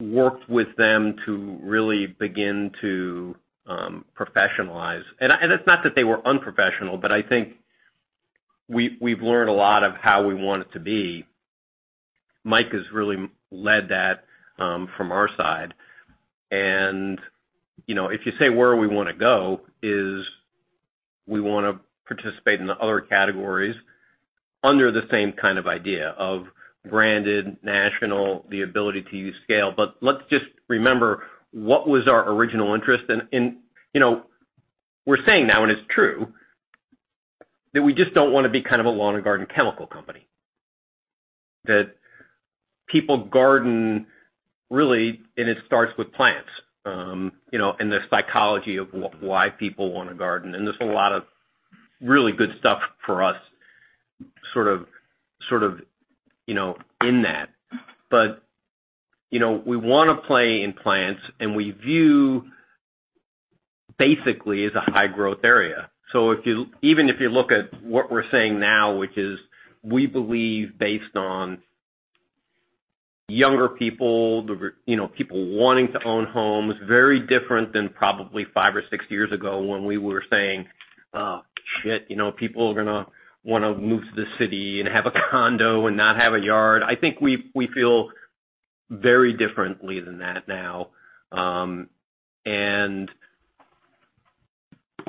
Worked with them to really begin to professionalize. It's not that they were unprofessional, but I think we've learned a lot of how we want it to be. Mike has really led that from our side. You know, if you say where we wanna go is we wanna participate in the other categories under the same kind of idea of branded, national, the ability to use scale. Let's just remember what was our original interest. You know, we're saying now, and it's true, that we just don't wanna be kind of a lawn and garden chemical company. That people garden really, and it starts with plants, you know, and the psychology of why people wanna garden. There's a lot of really good stuff for us sort of, you know, in that. You know, we wanna play in plants, and we view basically as a high growth area. Even if you look at what we're saying now, which is we believe based on younger people, you know, people wanting to own homes, very different than probably five or six years ago when we were saying, "oh, shit, you know, people are gonna wanna move to the city and have a condo and not have a yard." I think we feel very differently than that now.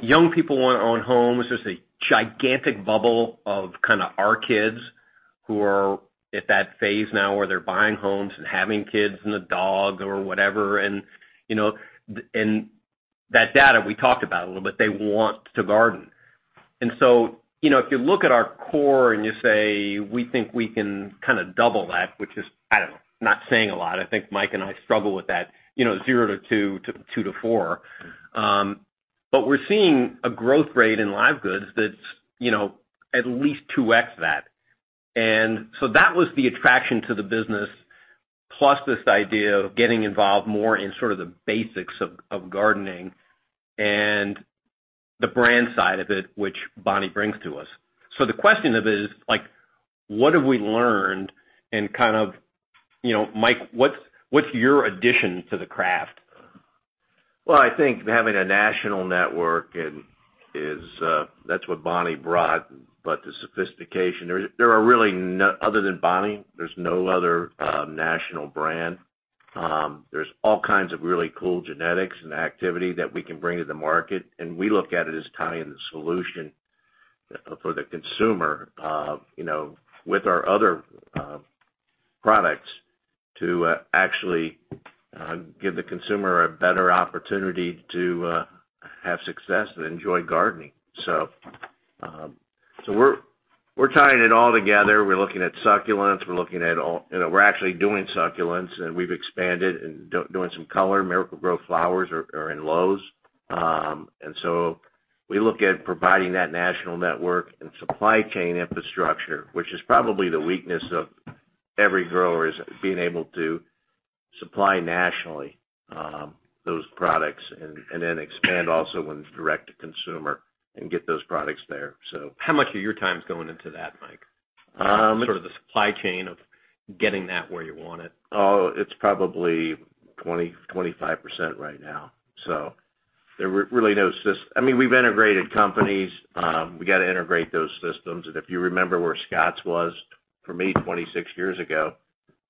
Young people wanna own homes. There's a gigantic bubble of kinda our kids who are at that phase now where they're buying homes and having kids and a dog or whatever. You know, and that data we talked about a little bit, they want to garden. You know, if you look at our core and you say, we think we can kinda double that, which is, I don't know, not saying a lot. I think Mike and I struggle with that, you know, zero to two to two to four. But we're seeing a growth rate in live goods that's, you know, at least 2x that. That was the attraction to the business, plus this idea of getting involved more in sort of the basics of gardening and the brand side of it, which Bonnie brings to us. The question then is, like, what have we learned and kind of, you know, Mike, what's your addition to the craft? Well, I think having a national network, that's what Bonnie brought. The sophistication. There are really no other than Bonnie, there's no other national brand. There's all kinds of really cool genetics and activity that we can bring to the market, and we look at it as tying the solution for the consumer, you know, with our other products to actually give the consumer a better opportunity to have success and enjoy gardening. We're tying it all together. We're looking at succulents. We're looking at all. You know, we're actually doing succulents, and we've expanded and doing some color. Miracle-Gro flowers are in Lowe's. We look at providing that national network and supply chain infrastructure, which is probably the weakness of every grower, is being able to supply nationally, those products and then expand also in direct to consumer and get those products there, so. How much of your time's going into that, Mike? Sort of the supply chain of getting that where you want it. Oh, it's probably 20-25% right now. There were really no systems. I mean, we've integrated companies. We gotta integrate those systems. If you remember where Scotts was for me 26 years ago,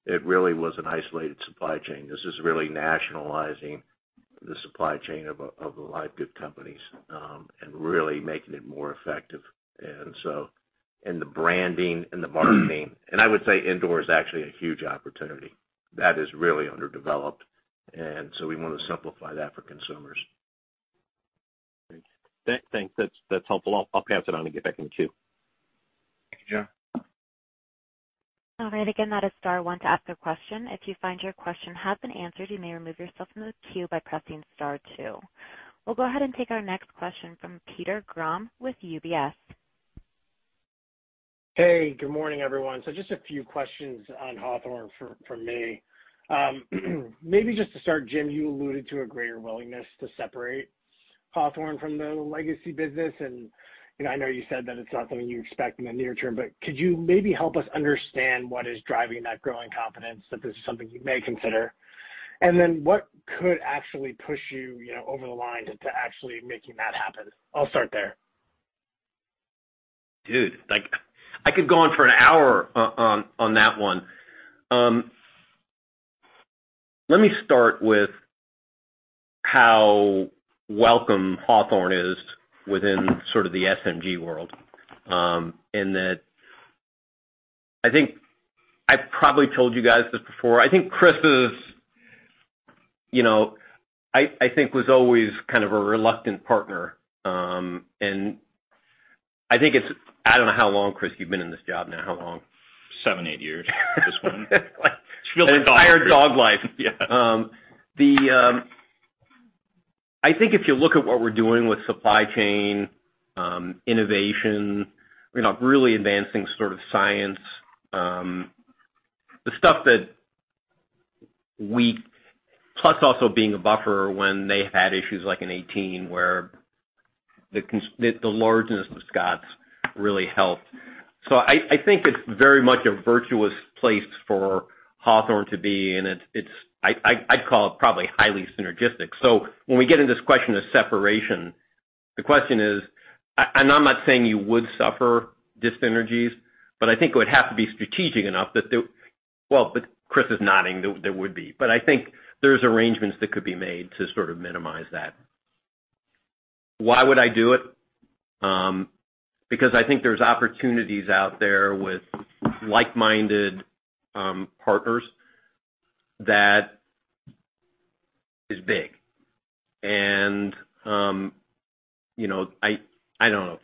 it really was an isolated supply chain. This is really nationalizing the supply chain of the live goods companies and really making it more effective, the branding and the marketing. I would say indoor is actually a huge opportunity. That is really underdeveloped. We wanna simplify that for consumers. Thanks. That's helpful. I'll pass it on and get back in the queue. Thank you. All right. Again, that is star one to ask a question. If you find your question has been answered, you may remove yourself from the queue by pressing star two. We'll go ahead and take our next question from Peter Grom with UBS. Hey, good morning, everyone. Just a few questions on Hawthorne from me. Maybe just to start, Jim, you alluded to a greater willingness to separate Hawthorne from the legacy business. You know, I know you said that it's not something you expect in the near term, but could you maybe help us understand what is driving that growing confidence that this is something you may consider? Then what could actually push you know, over the line to actually making that happen? I'll start there. Dude, I could go on for an hour on that one. Let me start with how welcome Hawthorne is within sort of the SMG world, and that I think I probably told you guys this before. I think Chris was always kind of a reluctant partner. I don't know how long, Chris, you've been in this job now. How long? Seven, eight years. This one. Like It feels like a dog year. An entire dog life. Yeah. I think if you look at what we're doing with supply chain innovation, you know, really advancing sort of science, plus also being a buffer when they had issues like in 2018 where the largeness of Scotts really helped. I'd call it probably highly synergistic. When we get into this question of separation, the question is, and I'm not saying you would suffer dyssynergies, but I think it would have to be strategic enough that. Well, but Chris is nodding, there would be. I think there's arrangements that could be made to sort of minimize that. Why would I do it? Because I think there's opportunities out there with like-minded partners that is big. You know, I don't know,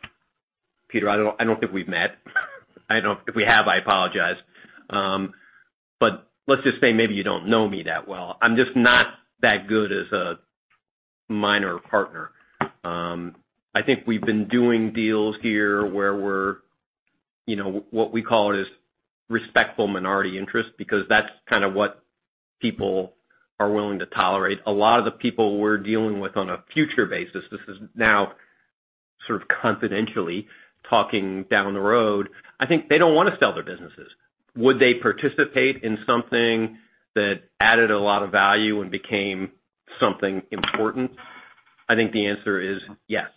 Peter, I don't think we've met. I know if we have, I apologize. But let's just say maybe you don't know me that well. I'm just not that good as a minority partner. I think we've been doing deals here where we're, you know, what we call it is respectful minority interest, because that's kind of what people are willing to tolerate. A lot of the people we're dealing with on a future basis, this is now sort of confidentially talking down the road, I think they don't wanna sell their businesses. Would they participate in something that added a lot of value and became something important? I think the answer is yes.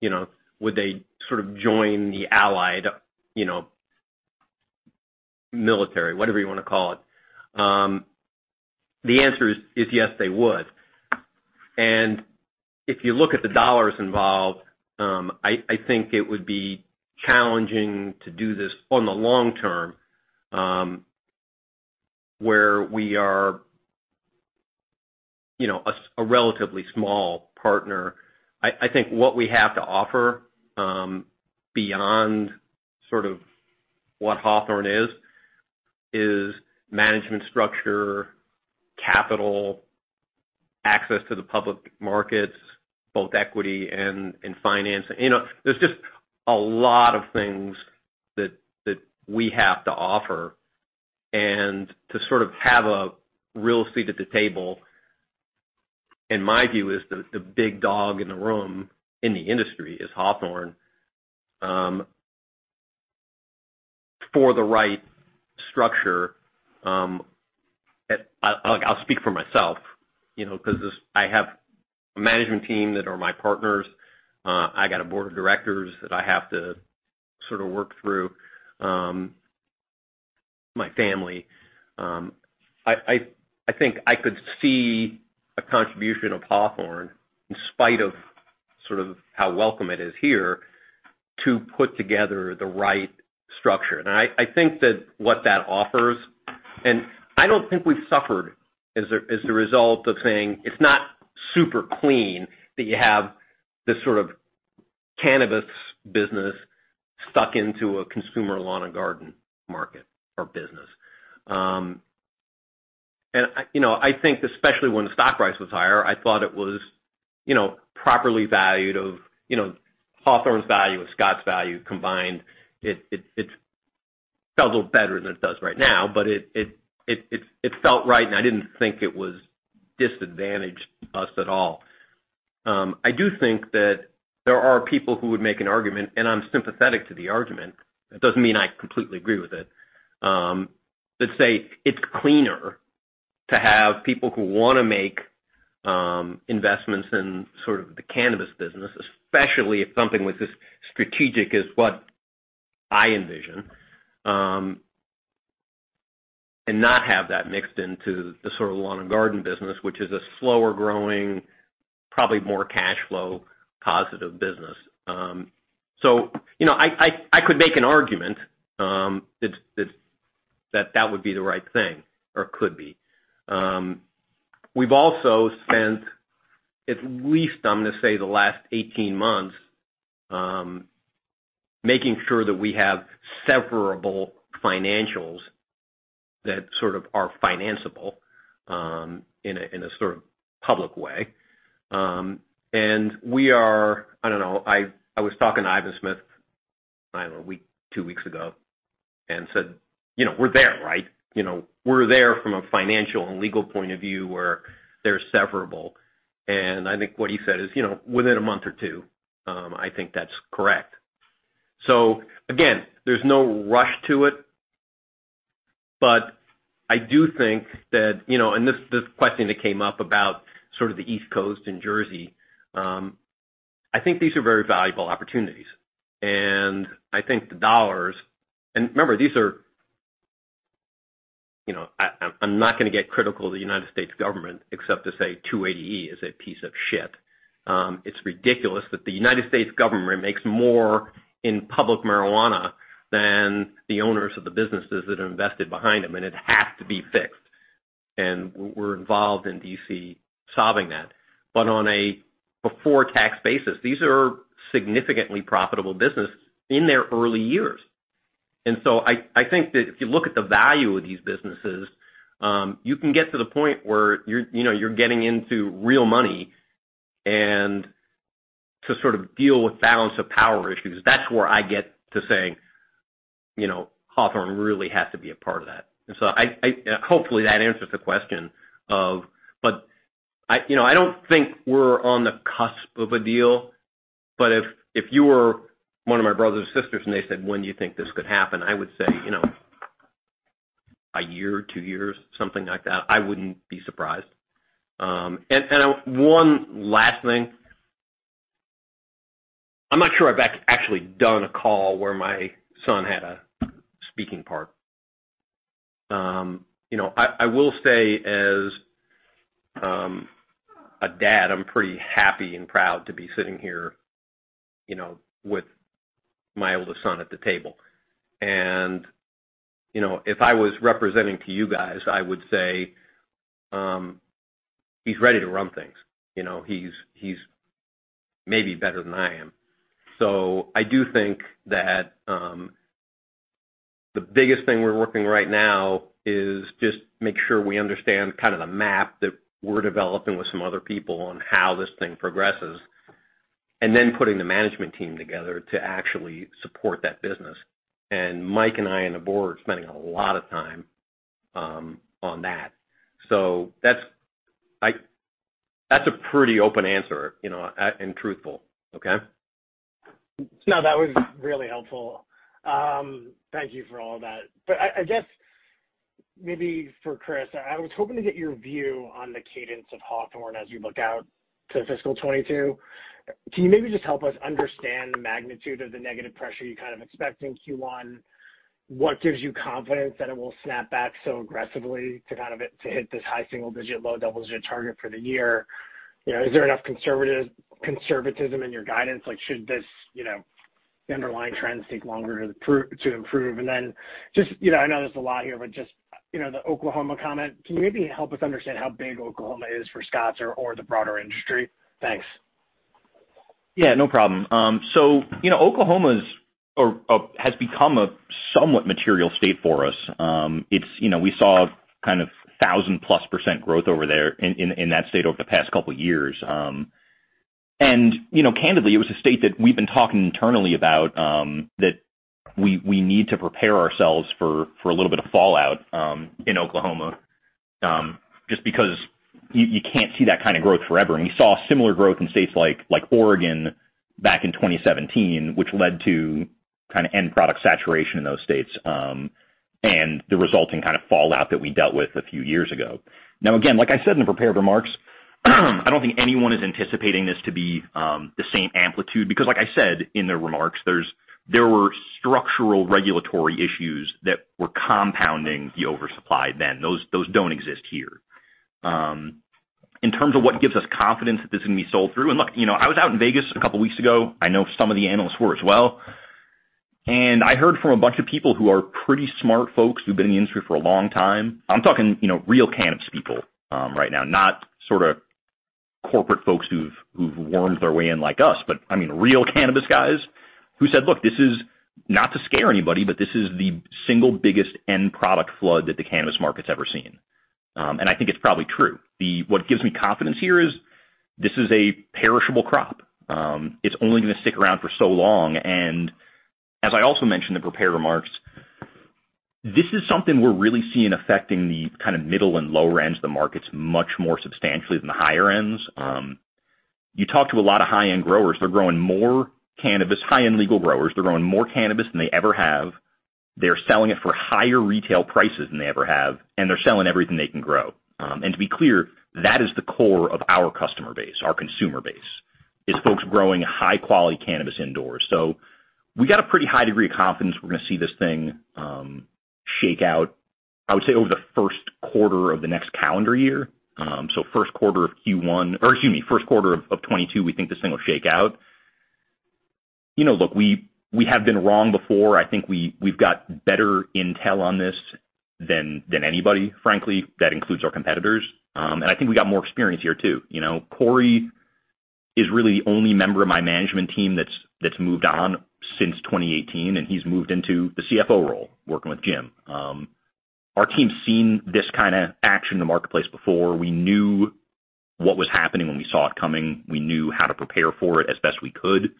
You know, would they sort of join the allied, you know, military, whatever you wanna call it? The answer is yes, they would. If you look at the dollars involved, I think it would be challenging to do this on the long term, where we are, you know, a relatively small partner. I think what we have to offer, beyond sort of what Hawthorne is management structure, capital, access to the public markets, both equity and finance. You know, there's just a lot of things that we have to offer. To sort of have a real seat at the table, in my view, is the big dog in the room, in the industry, is Hawthorne, for the right structure. I'll speak for myself, you know, 'cause this, I have a management team that are my partners. I got a board of directors that I have to sort of work through, my family. I think I could see a contribution of Hawthorne, in spite of sort of how welcome it is here, to put together the right structure. I think that what that offers, and I don't think we've suffered as a result of saying it's not super clean that you have this sort of cannabis business stuck into a consumer lawn and garden market or business. You know, I think especially when the stock price was higher, I thought it was, you know, properly valued of, you know, Hawthorne's value and Scotts' value combined. It felt a little better than it does right now, but it felt right, and I didn't think it was disadvantage to us at all. I do think that there are people who would make an argument, and I'm sympathetic to the argument, that doesn't mean I completely agree with it, that say it's cleaner to have people who wanna make investments in sort of the cannabis business, especially if something with as strategic as what I envision, and not have that mixed into the sort of lawn and garden business, which is a slower growing, probably more cash flow positive business. You know, I could make an argument, it's that that would be the right thing or could be. We've also spent at least, I'm gonna say, the last 18 months, making sure that we have severable financials that sort of are financeable, in a, in a sort of public way. We are. I don't know. I was talking to Ivan Smith, I don't know, a week, two weeks ago, and said, "You know, we're there, right? You know, we're there from a financial and legal point of view where they're severable." I think what he said is, "You know, within a month or two, I think that's correct." There's no rush to it, but I do think that, you know, this question that came up about sort of the East Coast and Jersey, I think these are very valuable opportunities. I think the dollars. Remember, these are, you know. I'm not gonna get critical of the United States government, except to say 280E is a piece of shit. It's ridiculous that the United States government makes more in public marijuana than the owners of the businesses that are invested behind them, and it has to be fixed. We're involved in D.C. solving that. On a before-tax basis, these are significantly profitable businesses in their early years. I think that if you look at the value of these businesses, you can get to the point where you're, you know, you're getting into real money, and to sort of deal with balance of power issues. That's where I get to saying You know, Hawthorne really has to be a part of that. I hope that answers the question. You know, I don't think we're on the cusp of a deal, but if you were one of my brothers or sisters and they said, "When do you think this could happen?" I would say, you know, a year, two years, something like that. I wouldn't be surprised. One last thing. I'm not sure I've actually done a call where my son had a speaking part. You know, I will say as a dad, I'm pretty happy and proud to be sitting here, you know, with my oldest son at the table. You know, if I was representing to you guys, I would say, he's ready to run things. You know, he's maybe better than I am. I do think that the biggest thing we're working right now is just make sure we understand kind of the map that we're developing with some other people on how this thing progresses, and then putting the management team together to actually support that business. Mike and I on the board are spending a lot of time on that. That's a pretty open answer, you know, and truthful. Okay? No, that was really helpful. Thank you for all that. I guess maybe for Chris, I was hoping to get your view on the cadence of Hawthorne as you look out to fiscal 2022. Can you maybe just help us understand the magnitude of the negative pressure you're kind of expecting in Q1? What gives you confidence that it will snap back so aggressively to hit this high single-digit, low double-digit target for the year? You know, is there enough conservatism in your guidance? Like should this, you know, the underlying trends take longer to improve? And then just, you know, I know there's a lot here, but just, you know, the Oklahoma comment, can you maybe help us understand how big Oklahoma is for Scotts or the broader industry? Thanks. Yeah, no problem. You know, Oklahoma's has become a somewhat material state for us. It's, you know, we saw kind of 1,000+% growth over there in that state over the past couple of years. You know, candidly, it was a state that we've been talking internally about that we need to prepare ourselves for a little bit of fallout in Oklahoma just because you can't see that kind of growth forever. You saw similar growth in states like Oregon back in 2017, which led to kind of end product saturation in those states and the resulting kind of fallout that we dealt with a few years ago. Now, again, like I said in the prepared remarks, I don't think anyone is anticipating this to be the same amplitude, because like I said in the remarks, there were structural regulatory issues that were compounding the oversupply then. Those don't exist here. In terms of what gives us confidence that this is gonna be sold through. Look, you know, I was out in Vegas a couple weeks ago. I know some of the analysts were as well. I heard from a bunch of people who are pretty smart folks who've been in the industry for a long time. I'm talking, you know, real cannabis people, right now, not sorta corporate folks who've wormed their way in like us, but I mean, real cannabis guys who said, "Look, this is not to scare anybody, but this is the single biggest end product flood that the cannabis market's ever seen." I think it's probably true. What gives me confidence here is this is a perishable crop. It's only gonna stick around for so long. As I also mentioned in the prepared remarks, this is something we're really seeing affecting the kind of middle and lower ends of the markets much more substantially than the higher ends. You talk to a lot of high-end growers, they're growing more cannabis, high-end legal growers, they're growing more cannabis than they ever have. They're selling it for higher retail prices than they ever have, and they're selling everything they can grow. To be clear, that is the core of our customer base, our consumer base, is folks growing high-quality cannabis indoors. We got a pretty high degree of confidence we're gonna see this thing shake out, I would say, over the first quarter of the next calendar year. First quarter of Q1, or excuse me, first quarter of 2022, we think this thing will shake out. You know, look, we have been wrong before. I think we've got better intel on this than anybody, frankly. That includes our competitors. I think we got more experience here too. You know, Cory is really the only member of my management team that's moved on since 2018, and he's moved into the CFO role working with Jim. Our team's seen this kinda action in the marketplace before. We knew what was happening when we saw it coming. We knew how to prepare for it as best we could.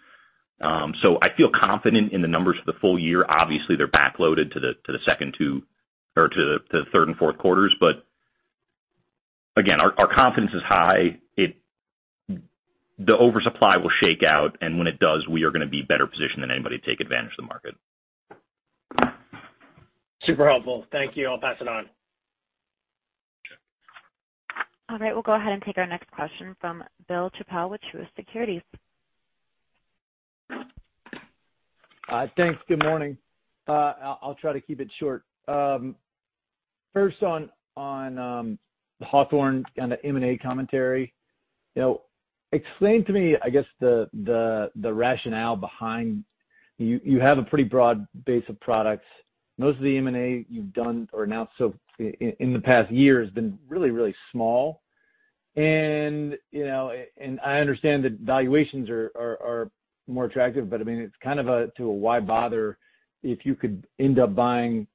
I feel confident in the numbers for the full year. Obviously, they're backloaded to the third and fourth quarters. Our confidence is high. The oversupply will shake out, and when it does, we are gonna be better positioned than anybody to take advantage of the market. Super helpful. Thank you. I'll pass it on. Sure. All right, we'll go ahead and take our next question from Bill Chappell with Truist Securities. Thanks. Good morning. I'll try to keep it short. First on the Hawthorne kind of M&A commentary. You know, explain to me, I guess, the rationale behind you have a pretty broad base of products. Most of the M&A you've done or announced in the past year has been really small. You know, I understand that valuations are more attractive, but I mean, it's kind of a why bother if you could end up buying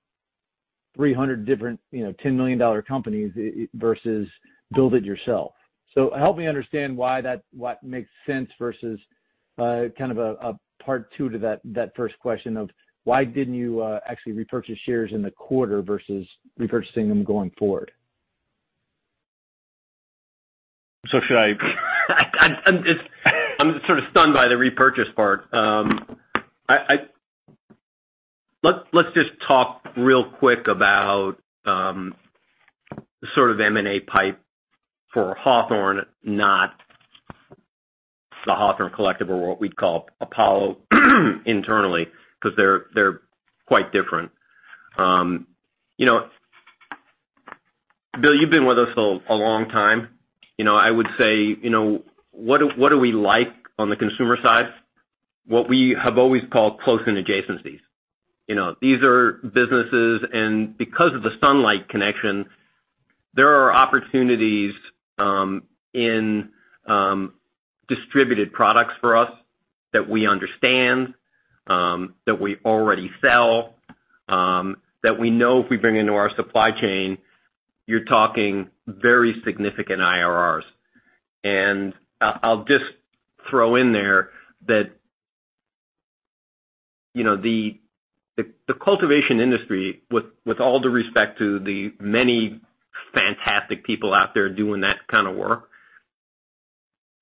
300 different, you know, $10 million companies versus build it yourself. Help me understand what makes sense versus kind of a part two to that first question of why didn't you actually repurchase shares in the quarter versus repurchasing them going forward? I'm sort of stunned by the repurchase part. Let's just talk real quick about sort of M&A pipe for Hawthorne, not the Hawthorne Collective or what we'd call Apollo internally, 'cause they're quite different. You know, Bill, you've been with us a long time. You know, I would say, you know, what do we like on the consumer side? What we have always called close-in adjacencies. You know, these are businesses, and because of the sunlight connection, there are opportunities in distributed products for us that we understand, that we already sell, that we know if we bring into our supply chain, you're talking very significant IRRs. I'll just throw in there that, you know, the cultivation industry, with all due respect to the many fantastic people out there doing that kind of work,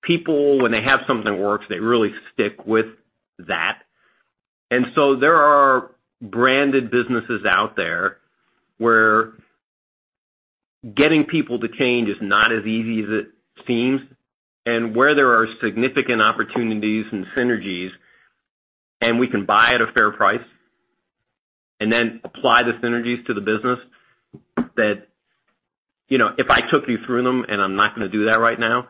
people, when they have something that works, they really stick with that. So there are branded businesses out there where getting people to change is not as easy as it seems. Where there are significant opportunities and synergies, and we can buy at a fair price, and then apply the synergies to the business that, you know, if I took you through them, and I'm not gonna do that right now,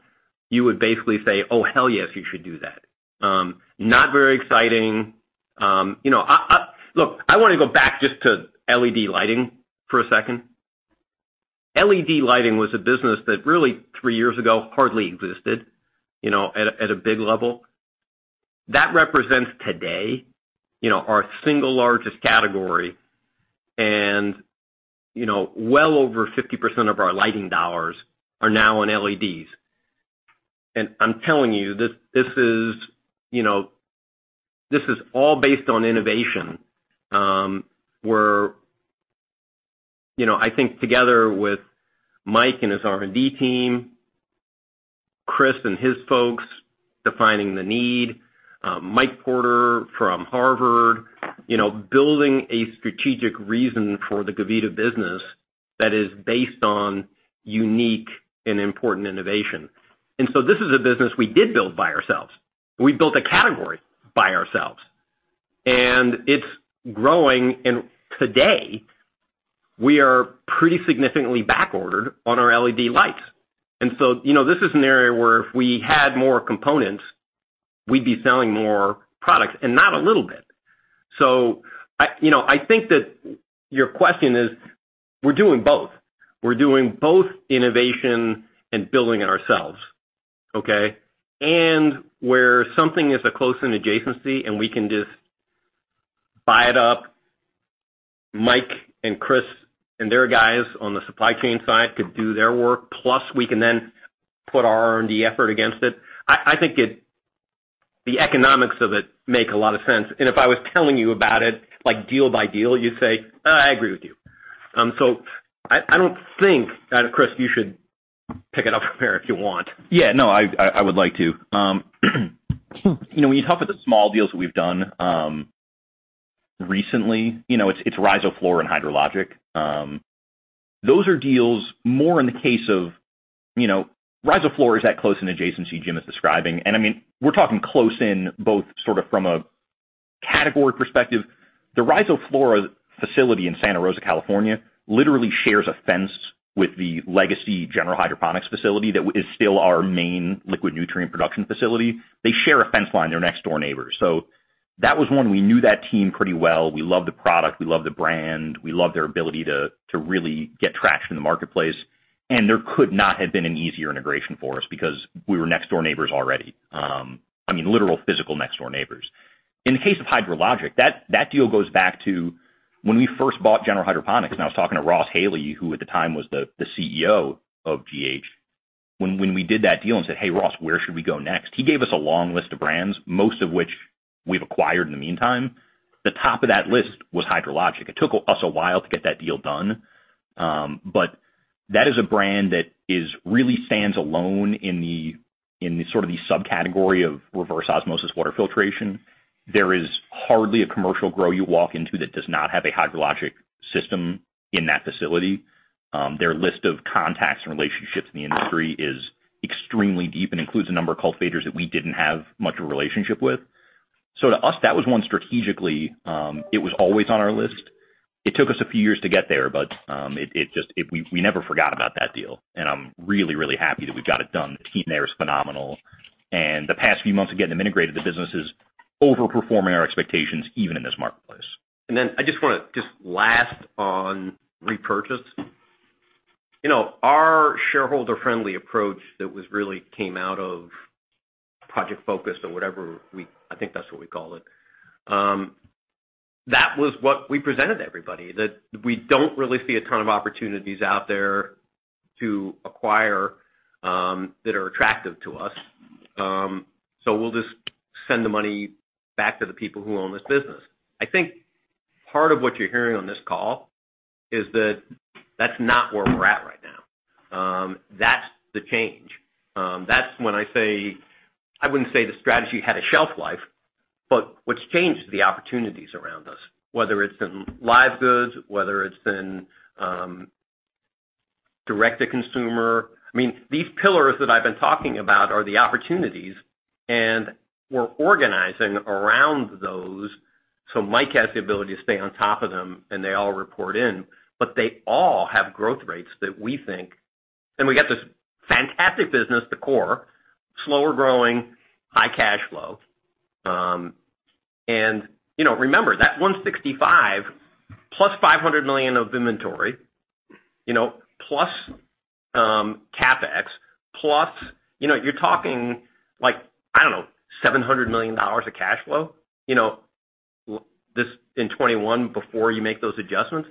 you would basically say, "Oh, hell yes, you should do that." Not very exciting. You know, Look, I wanna go back just to LED lighting for a second. LED lighting was a business that really, three years ago, hardly existed, you know, at a big level. That represents today, you know, our single largest category and, you know, well over 50% of our lighting dollars are now on LEDs. I'm telling you, this is, you know, this is all based on innovation, where, you know, I think together with Mike and his R&D team, Chris and his folks defining the need, Michael Porter from Harvard, you know, building a strategic reason for the Gavita business that is based on unique and important innovation. This is a business we did build by ourselves, and we built a category by ourselves. It's growing, and today we are pretty significantly back ordered on our LED lights. You know, this is an area where if we had more components, we'd be selling more products, and not a little bit. You know, I think that your question is we're doing both. We're doing both innovation and building it ourselves, okay? Where something is a close-in adjacency and we can just buy it up, Mike and Chris and their guys on the supply chain side could do their work, plus we can then put our R&D effort against it. I think it. The economics of it make a lot of sense. If I was telling you about it, like deal by deal, you'd say, "I agree with you." I don't think, and Chris, you should pick it up from there if you want. Yeah, no, I would like to. You know, when you talk about the small deals that we've done recently, you know, it's Rhizoflora and HydroLogic. Those are deals more in the case of, you know, Rhizoflora is that close-in adjacency Jim is describing. I mean, we're talking close in both sort of from a category perspective. The Rhizoflora facility in Santa Rosa, California, literally shares a fence with the legacy General Hydroponics facility that is still our main liquid nutrient production facility. They share a fence line. They're next-door neighbors. That was one we knew that team pretty well. We love the product. We love the brand. We love their ability to really get traction in the marketplace, and there could not have been an easier integration for us because we were next-door neighbors already. I mean, literal, physical next-door neighbors. In the case of HydroLogic, that deal goes back to when we first bought General Hydroponics, and I was talking to Ross Haley, who at the time was the CEO of GH. When we did that deal and said, "Hey, Ross, where should we go next?" He gave us a long list of brands, most of which we've acquired in the meantime. The top of that list was HydroLogic. It took us a while to get that deal done, but that really stands alone in the sort of subcategory of reverse osmosis water filtration. There is hardly a commercial grow you walk into that does not have a HydroLogic system in that facility. Their list of contacts and relationships in the industry is extremely deep and includes a number of cultivators that we didn't have much of a relationship with. To us, that was one strategically. It was always on our list. It took us a few years to get there, but we never forgot about that deal, and I'm really happy that we got it done. The team there is phenomenal. The past few months of getting them integrated, the business is overperforming our expectations even in this marketplace. Then I just wanna last on repurchase. You know, our shareholder-friendly approach that really came out of Project Focus or whatever, I think that's what we call it, that was what we presented to everybody, that we don't really see a ton of opportunities out there to acquire that are attractive to us. So we'll just send the money back to the people who own this business. I think part of what you're hearing on this call is that that's not where we're at right now. That's the change. That's when I say I wouldn't say the strategy had a shelf life, but what's changed are the opportunities around us, whether it's in live goods, whether it's in direct-to-consumer. I mean, these pillars that I've been talking about are the opportunities, and we're organizing around those so Mike has the ability to stay on top of them, and they all report in. They all have growth rates that we think. We got this fantastic business, the core, slower growing, high cash flow. You know, remember that $165 million plus $500 million of inventory, you know, plus CapEx, plus, you know, you're talking like, I don't know, $700 million of cash flow, you know, this in 2021 before you make those adjustments.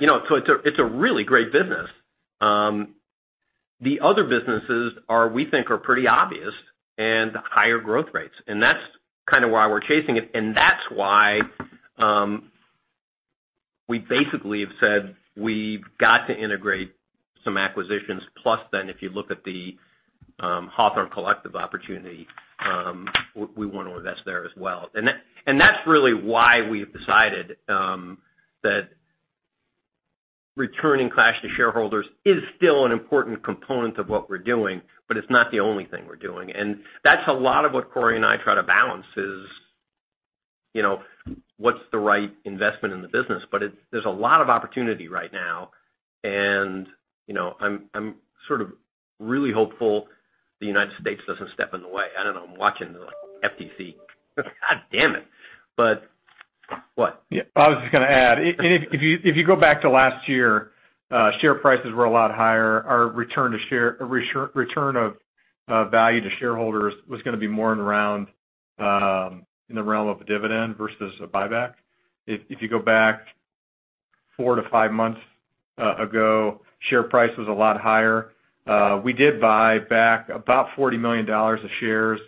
You know, so it's a really great business. The other businesses, we think, are pretty obvious and higher growth rates, and that's kind of why we're chasing it. That's why, we basically have said we've got to integrate some acquisitions. If you look at the Hawthorne Collective opportunity, we wanna invest there as well. That's really why we have decided that returning cash to shareholders is still an important component of what we're doing, but it's not the only thing we're doing. That's a lot of what Corey and I try to balance, you know, what's the right investment in the business. There's a lot of opportunity right now and, you know, I'm sort of really hopeful the United States doesn't step in the way. I don't know. I'm watching the FTC. Goddamn it. What? Yeah. I was just gonna add, if you go back to last year, share prices were a lot higher. Our return of value to shareholders was gonna be more in the realm of a dividend versus a buyback. If you go back four-five months ago, share price was a lot higher. We did buy back about $40 million of shares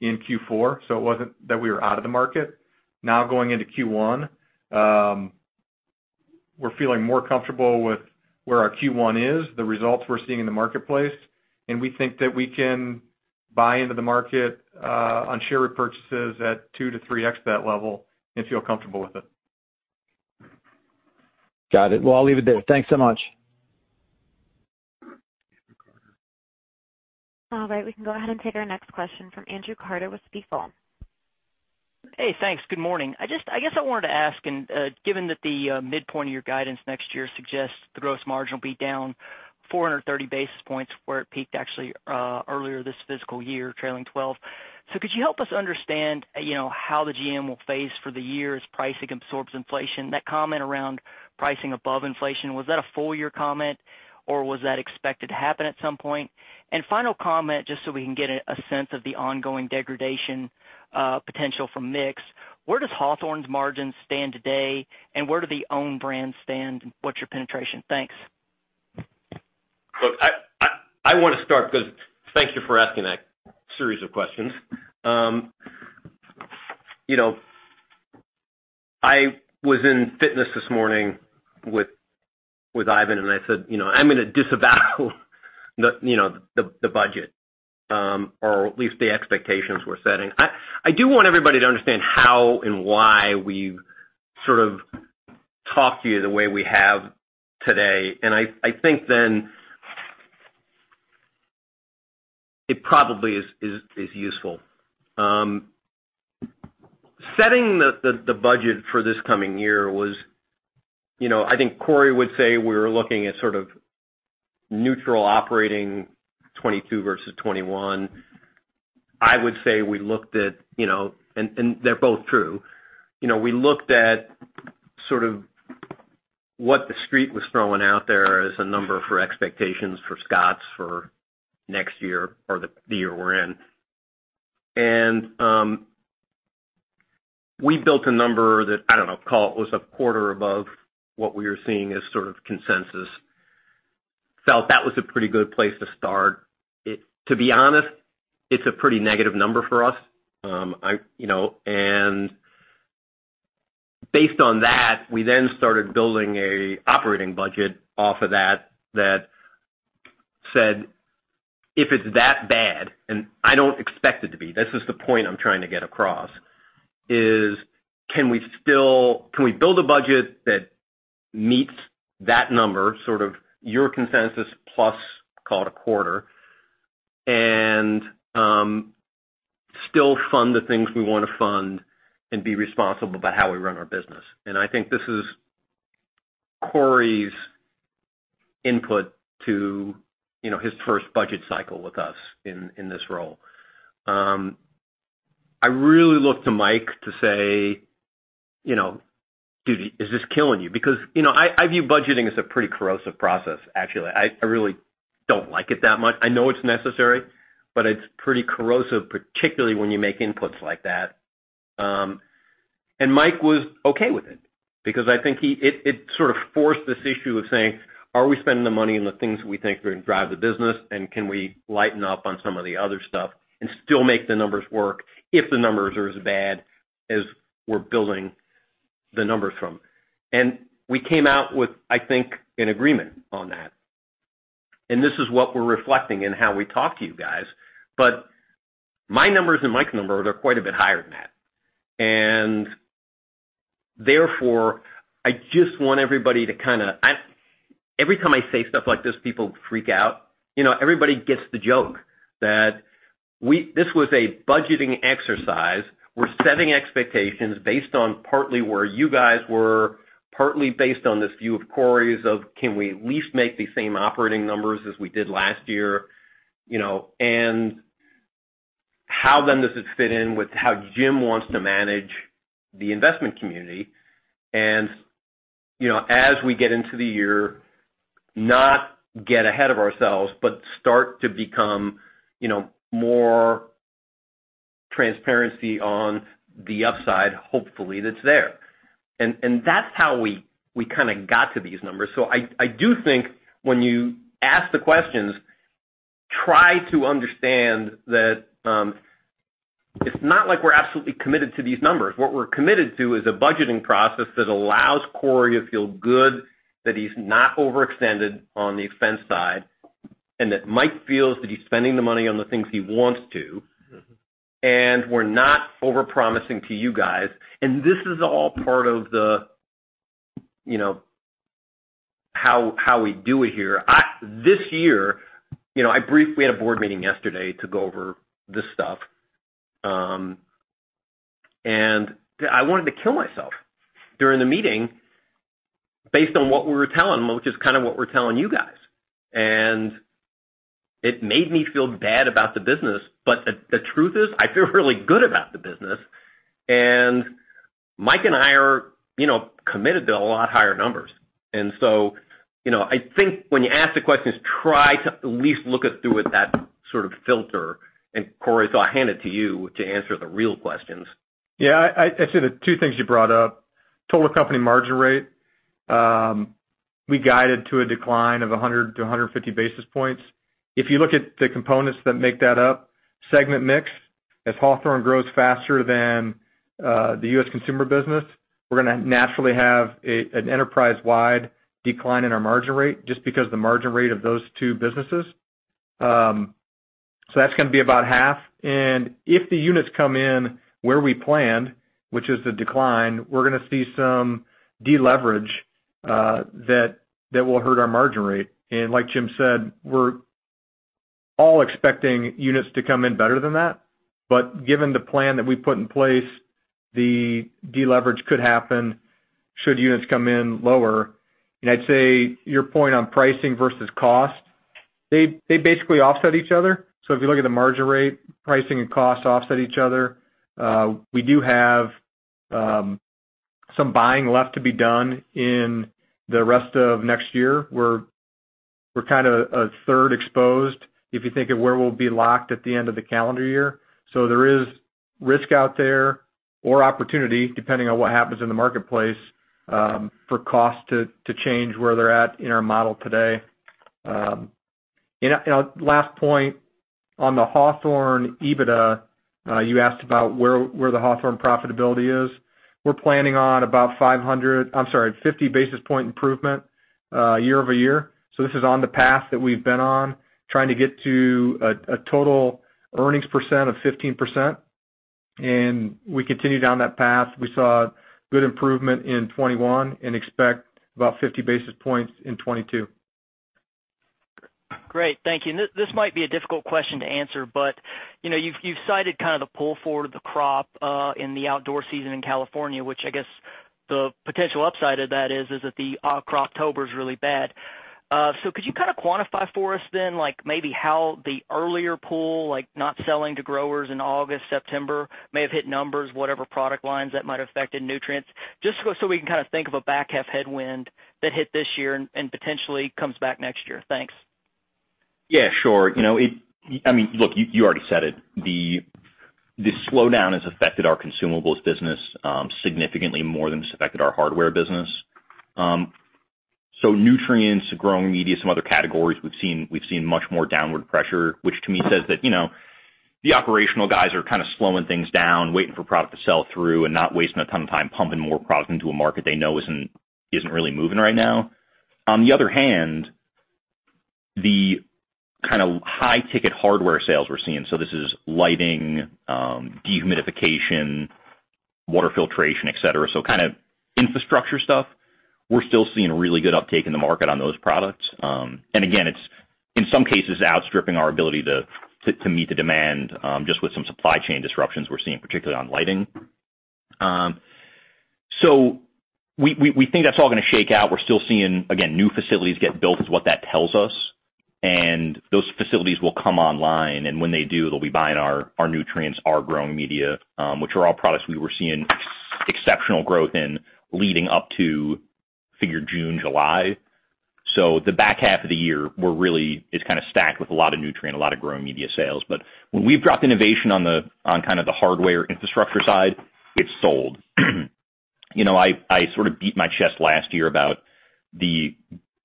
in Q4, so it wasn't that we were out of the market. Now, going into Q1, we're feeling more comfortable with where our Q1 is, the results we're seeing in the marketplace, and we think that we can buy into the market on share repurchases at 2x-3x that level and feel comfortable with it. Got it. Well, I'll leave it there. Thanks so much. All right, we can go ahead and take our next question from Andrew Carter with Stifel. Hey, thanks. Good morning. I guess I wanted to ask, given that the midpoint of your guidance next year suggests the gross margin will be down 430 basis points where it peaked actually earlier this fiscal year, trailing twelve. Could you help us understand, you know, how the GM will phase for the year as pricing absorbs inflation? That comment around pricing above inflation, was that a full year comment, or was that expected to happen at some point? Final comment, just so we can get a sense of the ongoing degradation potential from mix, where does Hawthorne's margins stand today, and where do the own brands stand, and what's your penetration? Thanks. Look, I wanna start 'cause thank you for asking that series of questions. You know, I was in fitness this morning with Ivan Smith and I said, "You know, I'm gonna disavow the budget or at least the expectations we're setting." I do want everybody to understand how and why we've sort of talked to you the way we have today. I think then it probably is useful. Setting the budget for this coming year was, you know, I think Cory would say we were looking at sort of neutral operating 2022 versus 2021. I would say we looked at, you know, and they're both true. You know, we looked at sort of what the street was throwing out there as a number for expectations for Scotts for next year or the year we're in. We built a number that, I don't know, call it was a quarter above what we were seeing as sort of consensus. Felt that was a pretty good place to start. To be honest, it's a pretty negative number for us. You know, based on that, we then started building an operating budget off of that that said, "If it's that bad," and I don't expect it to be, this is the point I'm trying to get across, is can we build a budget that meets that number, sort of your consensus plus, call it a quarter, and still fund the things we wanna fund and be responsible about how we run our business? I think this is Cory's input to, you know, his first budget cycle with us in this role. I really look to Mike to say, you know, "Dude, is this killing you?" Because, you know, I view budgeting as a pretty corrosive process, actually. I really don't like it that much. I know it's necessary, but it's pretty corrosive, particularly when you make inputs like that. Mike was okay with it because I think it sort of forced this issue of saying, are we spending the money on the things that we think are gonna drive the business? Can we lighten up on some of the other stuff and still make the numbers work if the numbers are as bad as we're building the numbers from? We came out with, I think, an agreement on that. This is what we're reflecting in how we talk to you guys. My numbers and Mike's numbers are quite a bit higher than that. Therefore, I just want everybody to every time I say stuff like this, people freak out. You know, everybody gets the joke that this was a budgeting exercise. We're setting expectations based on partly where you guys were, partly based on this view of Cory's of can we at least make the same operating numbers as we did last year, you know, and how then does it fit in with how Jim wants to manage the investment community. You know, as we get into the year, not get ahead of ourselves, but start to become, you know, more transparency on the upside, hopefully, that's there. That's how we kinda got to these numbers. I do think when you ask the questions, try to understand that, it's not like we're absolutely committed to these numbers. What we're committed to is a budgeting process that allows Corey to feel good that he's not overextended on the expense side, and that Mike feels that he's spending the money on the things he wants to. We're not overpromising to you guys. This is all part of the, you know, how we do it here. This year, you know, I briefly had a board meeting yesterday to go over this stuff, and I wanted to kill myself during the meeting based on what we were telling them, which is kind of what we're telling you guys. It made me feel bad about the business. The truth is, I feel really good about the business. Mike and I are, you know, committed to a lot higher numbers. You know, I think when you ask the questions, try to at least look at through it that sort of filter. Cory, I'll hand it to you to answer the real questions. Yeah. I'd say the two things you brought up, total company margin rate, we guided to a decline of 100-150 basis points. If you look at the components that make that up, segment mix, if Hawthorne grows faster than the U.S. consumer business, we're gonna naturally have an enterprise-wide decline in our margin rate just because the margin rate of those two businesses. That's gonna be about half. If the units come in where we planned, which is the decline, we're gonna see some deleverage that will hurt our margin rate. Like Jim said, we're all expecting units to come in better than that. Given the plan that we put in place, the deleverage could happen should units come in lower. I'd say your point on pricing versus cost, they basically offset each other. If you look at the margin rate, pricing and cost offset each other. We do have some buying left to be done in the rest of next year. We're kinda a third exposed, if you think of where we'll be locked at the end of the calendar year. There is risk out there or opportunity, depending on what happens in the marketplace, for cost to change where they're at in our model today. Last point on the Hawthorne EBITDA, you asked about where the Hawthorne profitability is. We're planning on about 50 basis point improvement, year-over-year. This is on the path that we've been on, trying to get to a total earnings percent of 15%. We continue down that path. We saw good improvement in 2021 and expect about 50 basis points in 2022. Great. Thank you. This might be a difficult question to answer, but you know, you've cited kind of the pull forward of the crop in the outdoor season in California, which I guess the potential upside of that is that the Croptober is really bad. Could you kinda quantify for us then, like maybe how the earlier pull, like not selling to growers in August, September, may have hit numbers, whatever product lines that might have affected nutrients? Just so we can kinda think of a back half headwind that hit this year and potentially comes back next year. Thanks. Yeah, sure. You know, I mean, look, you already said it. The slowdown has affected our consumables business significantly more than it's affected our hardware business. So nutrients, growing media, some other categories we've seen much more downward pressure, which to me says that, you know, the operational guys are kinda slowing things down, waiting for product to sell through and not wasting a ton of time pumping more product into a market they know isn't really moving right now. On the other hand, the kinda high ticket hardware sales we're seeing, so this is lighting, dehumidification, water filtration, et cetera, so kind of infrastructure stuff, we're still seeing a really good uptake in the market on those products. Again, it's in some cases outstripping our ability to meet the demand, just with some supply chain disruptions we're seeing, particularly on lighting. We think that's all gonna shake out. We're still seeing, again, new facilities get built is what that tells us, and those facilities will come online, and when they do, they'll be buying our nutrients, our growing media, which are all products we were seeing exceptional growth in leading up to figure June, July. The back half of the year is kinda stacked with a lot of nutrient, a lot of growing media sales. When we've dropped innovation on the on kind of the hardware infrastructure side, it's sold. You know, I sort of beat my chest last year about the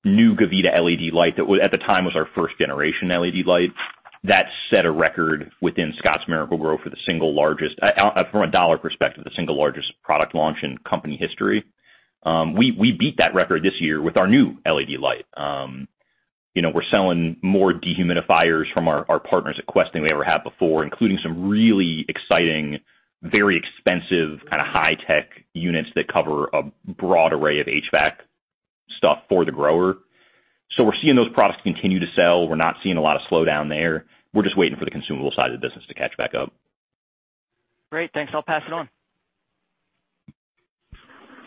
new Gavita LED light that at the time was our first generation LED light. That set a record within Scotts Miracle-Gro for the single largest, from a dollar perspective, the single largest product launch in company history. We beat that record this year with our new LED light. You know, we're selling more dehumidifiers from our partners at Quest than we ever have before, including some really exciting, very expensive, kinda high-tech units that cover a broad array of HVAC stuff for the grower. We're seeing those products continue to sell. We're not seeing a lot of slowdown there. We're just waiting for the consumable side of the business to catch back up. Great. Thanks. I'll pass it on.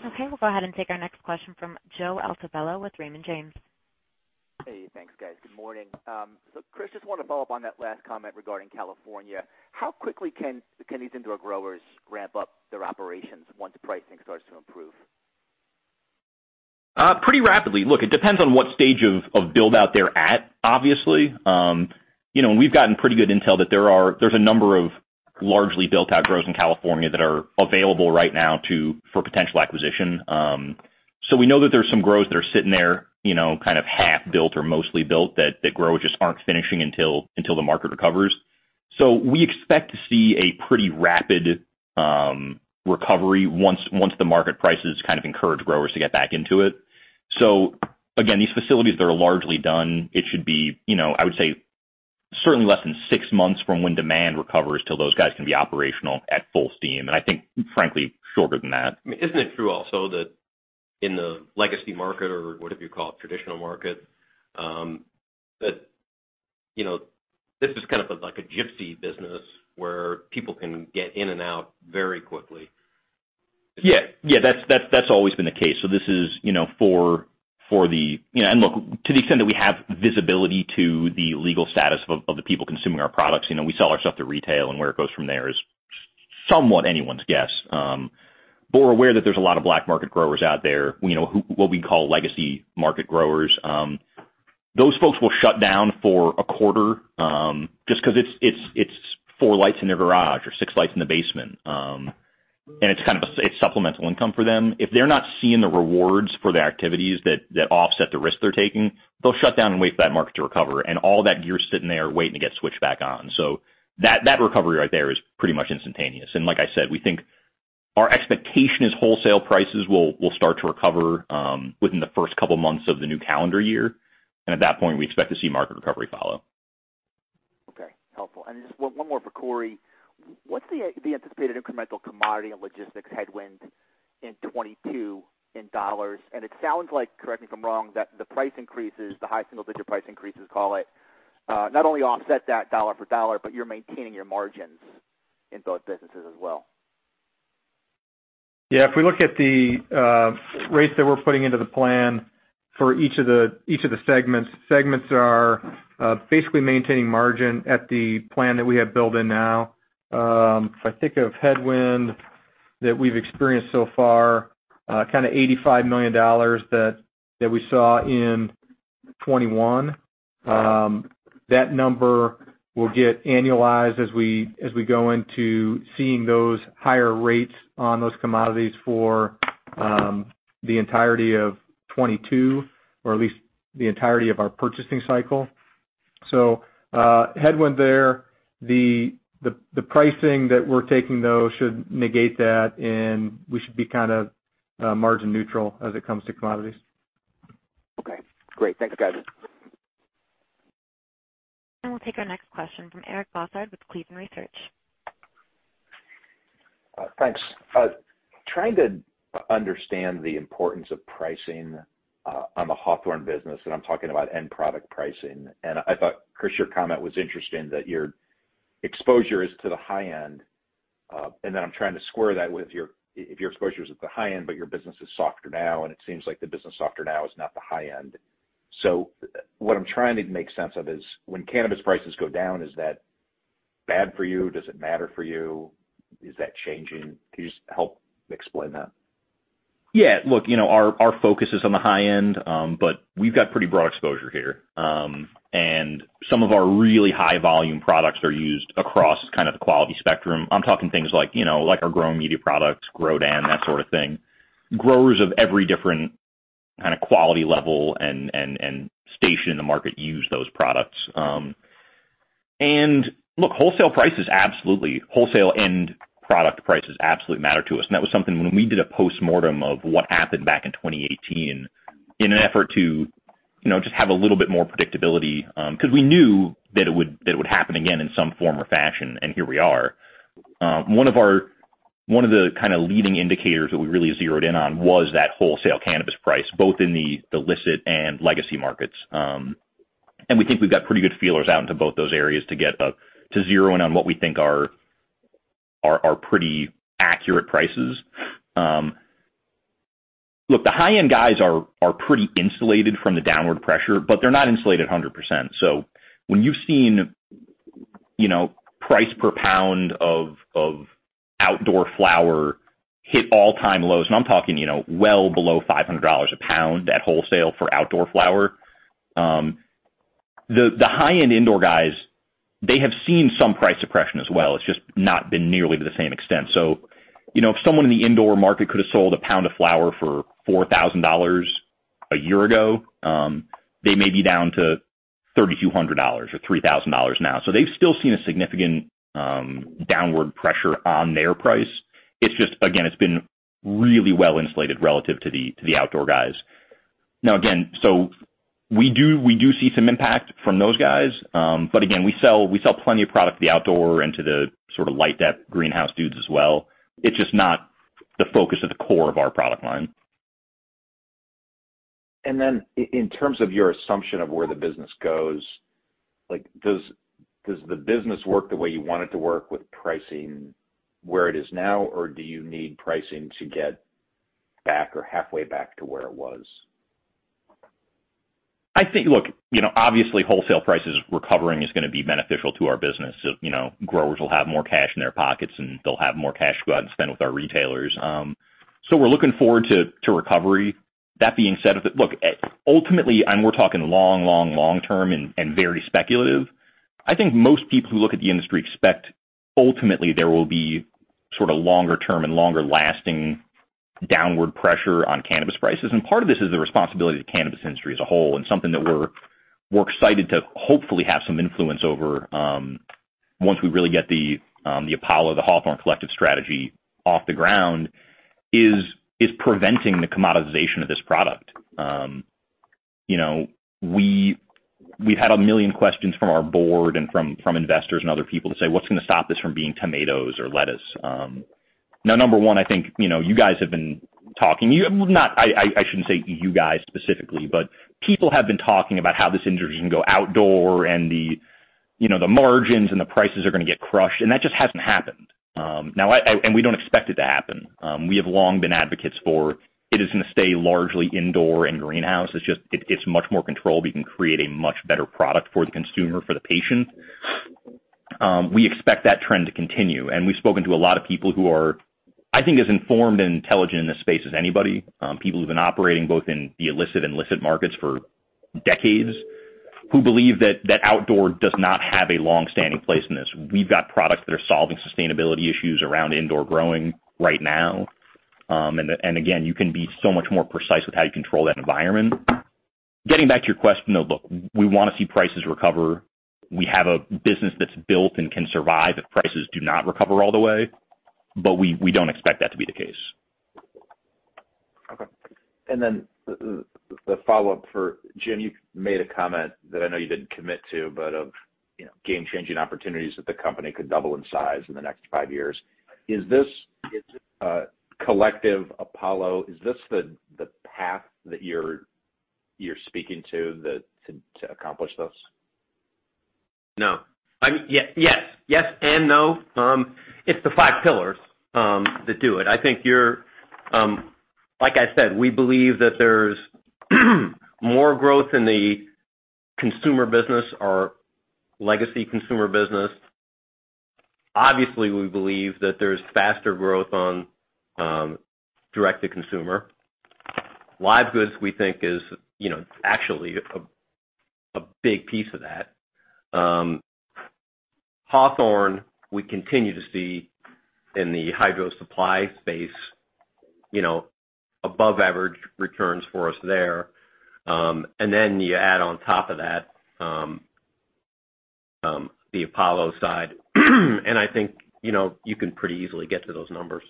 Okay. We'll go ahead and take our next question from Joe Altobello with Raymond James. Hey, thanks, guys. Good morning. Chris, just wanna follow up on that last comment regarding California. How quickly can these indoor growers ramp up their operations once pricing starts to improve? Pretty rapidly. Look, it depends on what stage of build-out they're at, obviously. You know, we've gotten pretty good intel that there's a number of largely built out grows in California that are available right now for potential acquisition. We know that there's some grows that are sitting there, you know, kind of half built or mostly built that the growers just aren't finishing until the market recovers. We expect to see a pretty rapid recovery once the market prices kind of encourage growers to get back into it. Again, these facilities that are largely done, it should be, you know, I would say certainly less than six months from when demand recovers till those guys can be operational at full steam, and I think, frankly, shorter than that. Isn't it true also that in the legacy market or whatever you call it, traditional market, that, you know, this is kind of like a gypsy business where people can get in and out very quickly? Yeah. That's always been the case. This is, you know, for the. You know, and look, to the extent that we have visibility to the legal status of the people consuming our products, you know, we sell our stuff to retail and where it goes from there is somewhat anyone's guess. But we're aware that there's a lot of black market growers out there, you know, who what we call legacy market growers. Those folks will shut down for a quarter, just 'cause it's four lights in their garage or six lights in the basement. And it's kind of supplemental income for them. If they're not seeing the rewards for the activities that offset the risk they're taking, they'll shut down and wait for that market to recover. All that gear is sitting there waiting to get switched back on. That recovery right there is pretty much instantaneous. Like I said, we think our expectation is wholesale prices will start to recover within the first couple months of the new calendar year. At that point, we expect to see market recovery follow. Okay. Helpful. Just one more for Corey. What's the anticipated incremental commodity and logistics headwind in 2022 in dollars? It sounds like, correct me if I'm wrong, that the price increases, the high single-digit price increases call it, not only offset that dollar for dollar, but you're maintaining your margins in both businesses as well. Yeah. If we look at the rates that we're putting into the plan for each of the segments are basically maintaining margin at the plan that we have built in now. If I think of headwind that we've experienced so far, kinda $85 million that we saw in 2021. That number will get annualized as we go into seeing those higher rates on those commodities for the entirety of 2022, or at least the entirety of our purchasing cycle. Headwind there, the pricing that we're taking though should negate that, and we should be kind of margin neutral as it comes to commodities. Okay. Great. Thanks, guys. We'll take our next question from Eric Bosshard with Cleveland Research. Thanks. I'm trying to understand the importance of pricing on the Hawthorne business, and I'm talking about end product pricing. I thought, Chris, your comment was interesting that your exposure is to the high end, and then I'm trying to square that with if your exposure is at the high end, but your business is softer now, and it seems like the business is softer now is not the high end. What I'm trying to make sense of is when cannabis prices go down, is that bad for you? Does it matter for you? Is that changing? Can you just help explain that? Yeah. Look, you know, our focus is on the high end, but we've got pretty broad exposure here. Some of our really high volume products are used across kind of the quality spectrum. I'm talking things like, you know, like our growing media products, Grodan, that sort of thing. Growers of every different kinda quality level and station in the market use those products. Look, wholesale price is absolutely. Wholesale end product prices absolutely matter to us. That was something when we did a postmortem of what happened back in 2018 in an effort to, you know, just have a little bit more predictability, 'cause we knew that it would happen again in some form or fashion, and here we are. One of the kinda leading indicators that we really zeroed in on was that wholesale cannabis price, both in the licit and legacy markets. We think we've got pretty good feelers out into both those areas to get to zero in on what we think are pretty accurate prices. Look, the high-end guys are pretty insulated from the downward pressure, but they're not insulated 100%. When you've seen price per pound of outdoor flower hit all-time lows, and I'm talking well below $500 a pound at wholesale for outdoor flower, the high-end indoor guys, they have seen some price suppression as well. It's just not been nearly to the same extent. If someone in the indoor market could have sold a pound of flower for $4,000 a year ago, they may be down to $3,200 or $3,000 now. They've still seen a significant downward pressure on their price. It's just, again, it's been really well insulated relative to the outdoor guys. We do see some impact from those guys. We sell plenty of product to the outdoor and to the sort of light dep greenhouse dudes as well. It's just not the focus of the core of our product line. In terms of your assumption of where the business goes, like, does the business work the way you want it to work with pricing where it is now? Or do you need pricing to get back or halfway back to where it was? Look, you know, obviously, wholesale prices recovering is gonna be beneficial to our business. You know, growers will have more cash in their pockets, and they'll have more cash to go out and spend with our retailers. We're looking forward to recovery. That being said, ultimately, we're talking long term and very speculative. I think most people who look at the industry expect ultimately there will be sort of longer term and longer lasting downward pressure on cannabis prices. Part of this is the responsibility of the cannabis industry as a whole and something that we're excited to hopefully have some influence over, once we really get the Apollo, the Hawthorne Collective strategy off the ground, is preventing the commoditization of this product. You know, we've had a million questions from our board and from investors and other people to say, "What's gonna stop this from being tomatoes or lettuce?" Now, number one, I think, you know, you guys have been talking. I shouldn't say you guys specifically, but people have been talking about how this industry is gonna go outdoor and, you know, the margins and the prices are gonna get crushed, and that just hasn't happened. Now, we don't expect it to happen. We have long been advocates for it is gonna stay largely indoor and greenhouse. It's just, it's much more controlled. We can create a much better product for the consumer, for the patient. We expect that trend to continue, and we've spoken to a lot of people who are, I think, as informed and intelligent in this space as anybody, people who've been operating both in the illicit and licit markets for decades, who believe that that outdoor does not have a long-standing place in this. We've got products that are solving sustainability issues around indoor growing right now. And again, you can be so much more precise with how you control that environment. Getting back to your question, though, look, we wanna see prices recover. We have a business that's built and can survive if prices do not recover all the way, but we don't expect that to be the case. Okay. The follow-up for Jim, you made a comment that I know you didn't commit to, but, you know, game-changing opportunities that the company could double in size in the next five years. Is this Collective Apollo the path that you're speaking to that to accomplish this? No. I mean, yeah, yes. Yes and no. It's the five pillars that do it. I think you're... Like I said, we believe that there's more growth in the consumer business, our legacy consumer business. Obviously, we believe that there's faster growth on direct-to-consumer. Live goods, we think, is, you know, actually a big piece of that. Hawthorne, we continue to see in the hydro supply space, you know, above average returns for us there. And then you add on top of that, the Apollo side. I think, you know, you can pretty easily get to those numbers.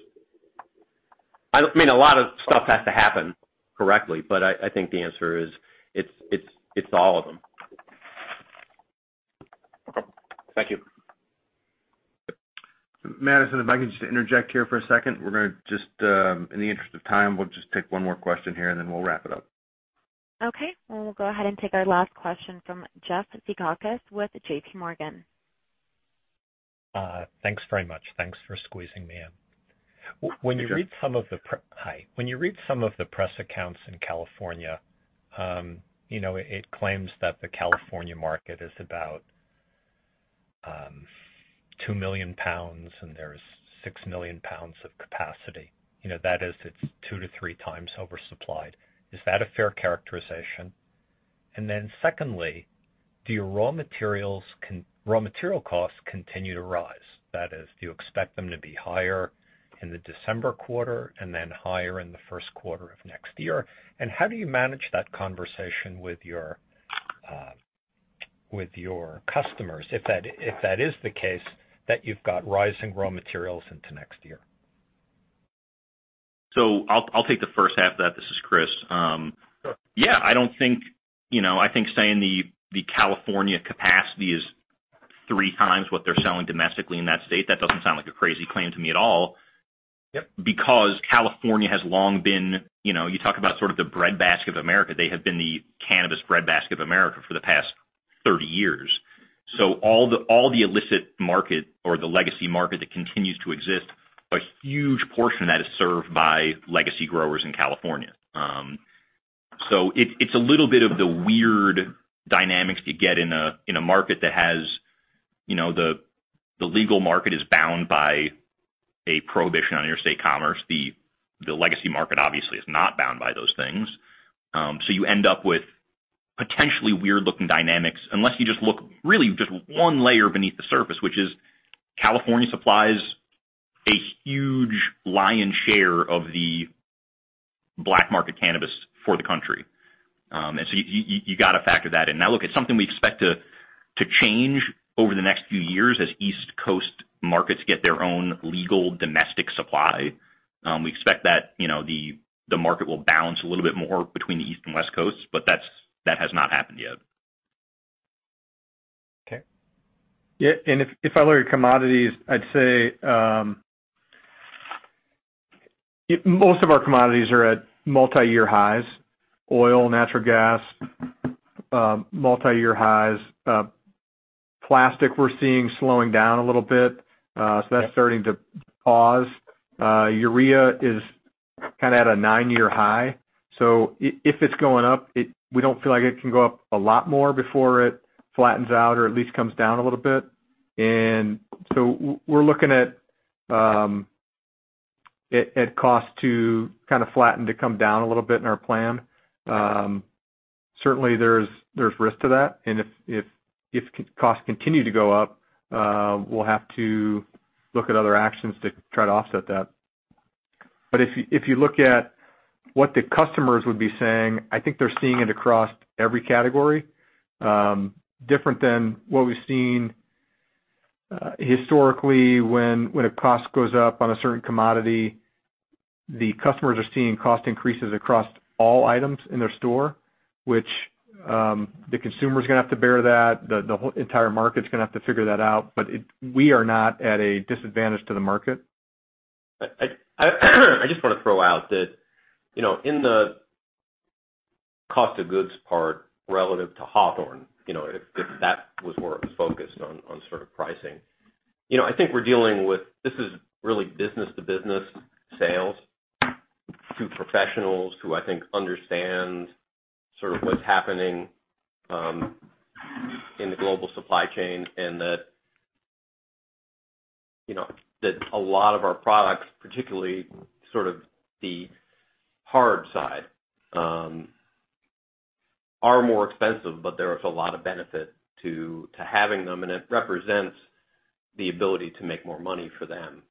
I mean, a lot of stuff has to happen correctly, but I think the answer is it's all of them. Thank you. Madison, if I can just interject here for a second. We're gonna just, in the interest of time, we'll just take one more question here, and then we'll wrap it up. Okay. We'll go ahead and take our last question from Jeff Zekauskas with JPMorgan. Thanks very much. Thanks for squeezing me in. Sure. When you read some of the press accounts in California, you know, it claims that the California market is about 2 million pounds, and there's 6 million pounds of capacity. You know, that is, it's 2x-3x oversupplied. Is that a fair characterization? Secondly, do your raw material costs continue to rise? That is, do you expect them to be higher in the December quarter and then higher in the first quarter of next year? How do you manage that conversation with your customers if that is the case that you've got rising raw materials into next year? I'll take the first half of that. This is Chris. Yeah, I don't think. You know, I think saying the California capacity is 3x what they're selling domestically in that state, that doesn't sound like a crazy claim to me at all. Yep. Because California has long been, you know, you talk about sort of the breadbasket of America. They have been the cannabis breadbasket of America for the past 30 years. All the illicit market or the legacy market that continues to exist, a huge portion of that is served by legacy growers in California. It’s a little bit of the weird dynamics you get in a market that has, you know, the legal market is bound by a prohibition on your state commerce. The legacy market obviously is not bound by those things. You end up with potentially weird looking dynamics unless you just look really just one layer beneath the surface, which is California supplies a huge lion’s share of the black market cannabis for the country. You gotta factor that in. Now, look, it's something we expect to change over the next few years as East Coast markets get their own legal domestic supply. We expect that, you know, the market will balance a little bit more between the East and West Coasts, but that has not happened yet. Okay. Yeah, if I look at commodities, I'd say most of our commodities are at multiyear highs. Oil, natural gas, multiyear highs. Plastic, we're seeing slowing down a little bit, so that's starting to pause. Urea is kinda at a nine-year high. So if it's going up, we don't feel like it can go up a lot more before it flattens out or at least comes down a little bit. We're looking at cost to kinda flatten to come down a little bit in our plan. Certainly there's risk to that. If costs continue to go up, we'll have to look at other actions to try to offset that. If you look at what the customers would be saying, I think they're seeing it across every category, different than what we've seen historically when a cost goes up on a certain commodity, the customers are seeing cost increases across all items in their store, which the consumer's gonna have to bear that. The whole entire market's gonna have to figure that out. We are not at a disadvantage to the market. I just wanna throw out that, you know, in the cost of goods part relative to Hawthorne, you know, if that was where it was focused on sort of pricing. You know, I think we're dealing with. This is really business to business sales to professionals who I think understand sort of what's happening in the global supply chain, and that, you know, that a lot of our products, particularly sort of the hard side, are more expensive, but there is a lot of benefit to having them, and it represents the ability to make more money for them.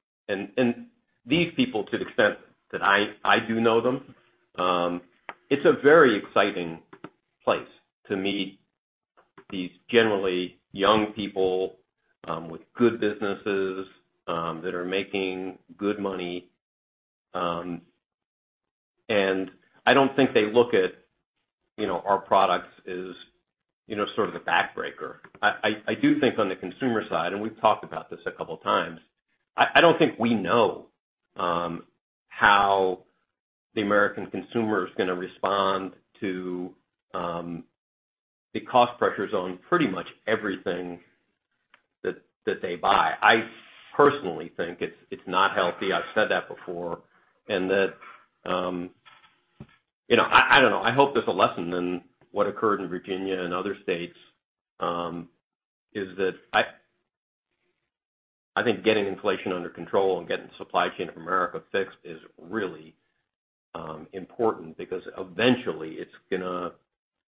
These people, to the extent that I do know them, it's a very exciting place to meet these generally young people with good businesses that are making good money. I don't think they look at, you know, our products as, you know, sort of the back breaker. I do think on the consumer side, and we've talked about this a couple times, I don't think we know how the American consumer is gonna respond to the cost pressures on pretty much everything that they buy. I personally think it's not healthy. I've said that before. I don't know. I hope there's a lesson in what occurred in Virginia and other states is that I think getting inflation under control and getting supply chain of America fixed is really important because eventually it's gonna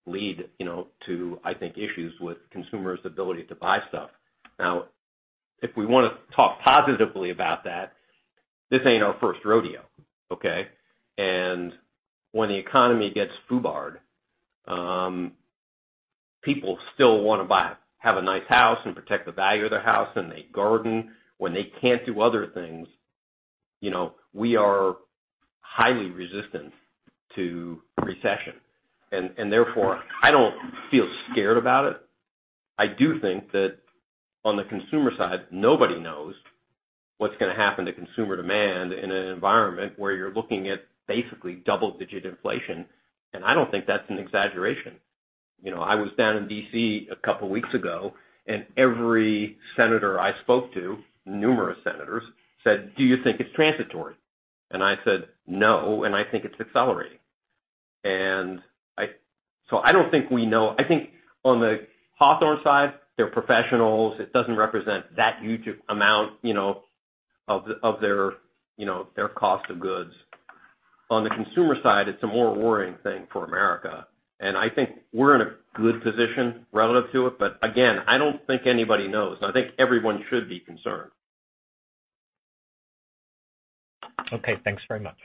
lead, you know, to I think issues with consumers' ability to buy stuff. Now, if we wanna talk positively about that, this ain't our first rodeo, okay? When the economy gets FUBAR'd, people still wanna buy, have a nice house and protect the value of their house, and they garden when they can't do other things. You know, we are highly resistant to recession. Therefore, I don't feel scared about it. I do think that on the consumer side, nobody knows what's gonna happen to consumer demand in an environment where you're looking at basically double-digit inflation. I don't think that's an exaggeration. You know, I was down in D.C. a couple weeks ago, and every senator I spoke to, numerous senators, said, "Do you think it's transitory?" I said, "No, and I think it's accelerating." So I don't think we know. I think on the Hawthorne side, they're professionals. It doesn't represent that huge amount, you know, of their cost of goods. On the consumer side, it's a more worrying thing for America. I think we're in a good position relative to it. Again, I don't think anybody knows. I think everyone should be concerned. Okay. Thanks very much.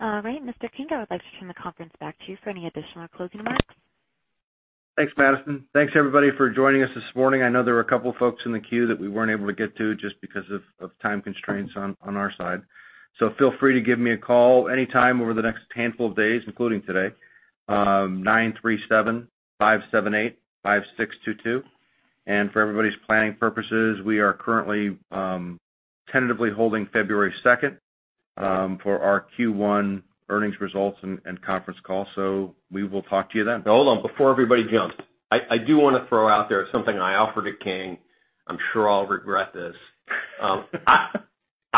All right. Mr. King, I would like to turn the conference back to you for any additional closing remarks. Thanks, Madison. Thanks everybody for joining us this morning. I know there were a couple folks in the queue that we weren't able to get to just because of time constraints on our side. So feel free to give me a call anytime over the next handful of days, including today, 937-578-5622. For everybody's planning purposes, we are currently tentatively holding February 2 for our Q1 earnings results and conference call. We will talk to you then. Hold on. Before everybody jumps, I do wanna throw out there something I offered to King. I'm sure I'll regret this.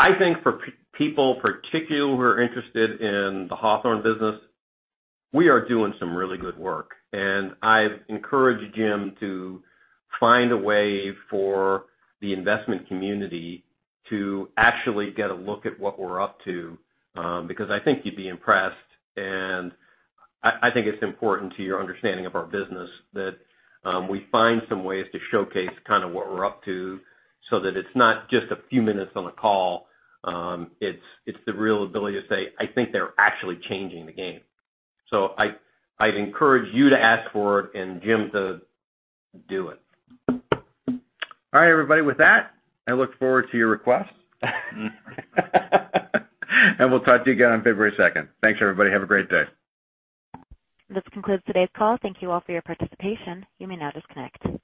I think for people particularly who are interested in the Hawthorne business, we are doing some really good work, and I've encouraged Jim to find a way for the investment community to actually get a look at what we're up to, because I think you'd be impressed. I think it's important to your understanding of our business that we find some ways to showcase kinda what we're up to so that it's not just a few minutes on a call. It's the real ability to say, "I think they're actually changing the game." I'd encourage you to ask for it and Jim to do it. All right, everybody. With that, I look forward to your requests. We'll talk to you again on February second. Thanks, everybody. Have a great day. This concludes today's call. Thank you all for your participation. You may now disconnect.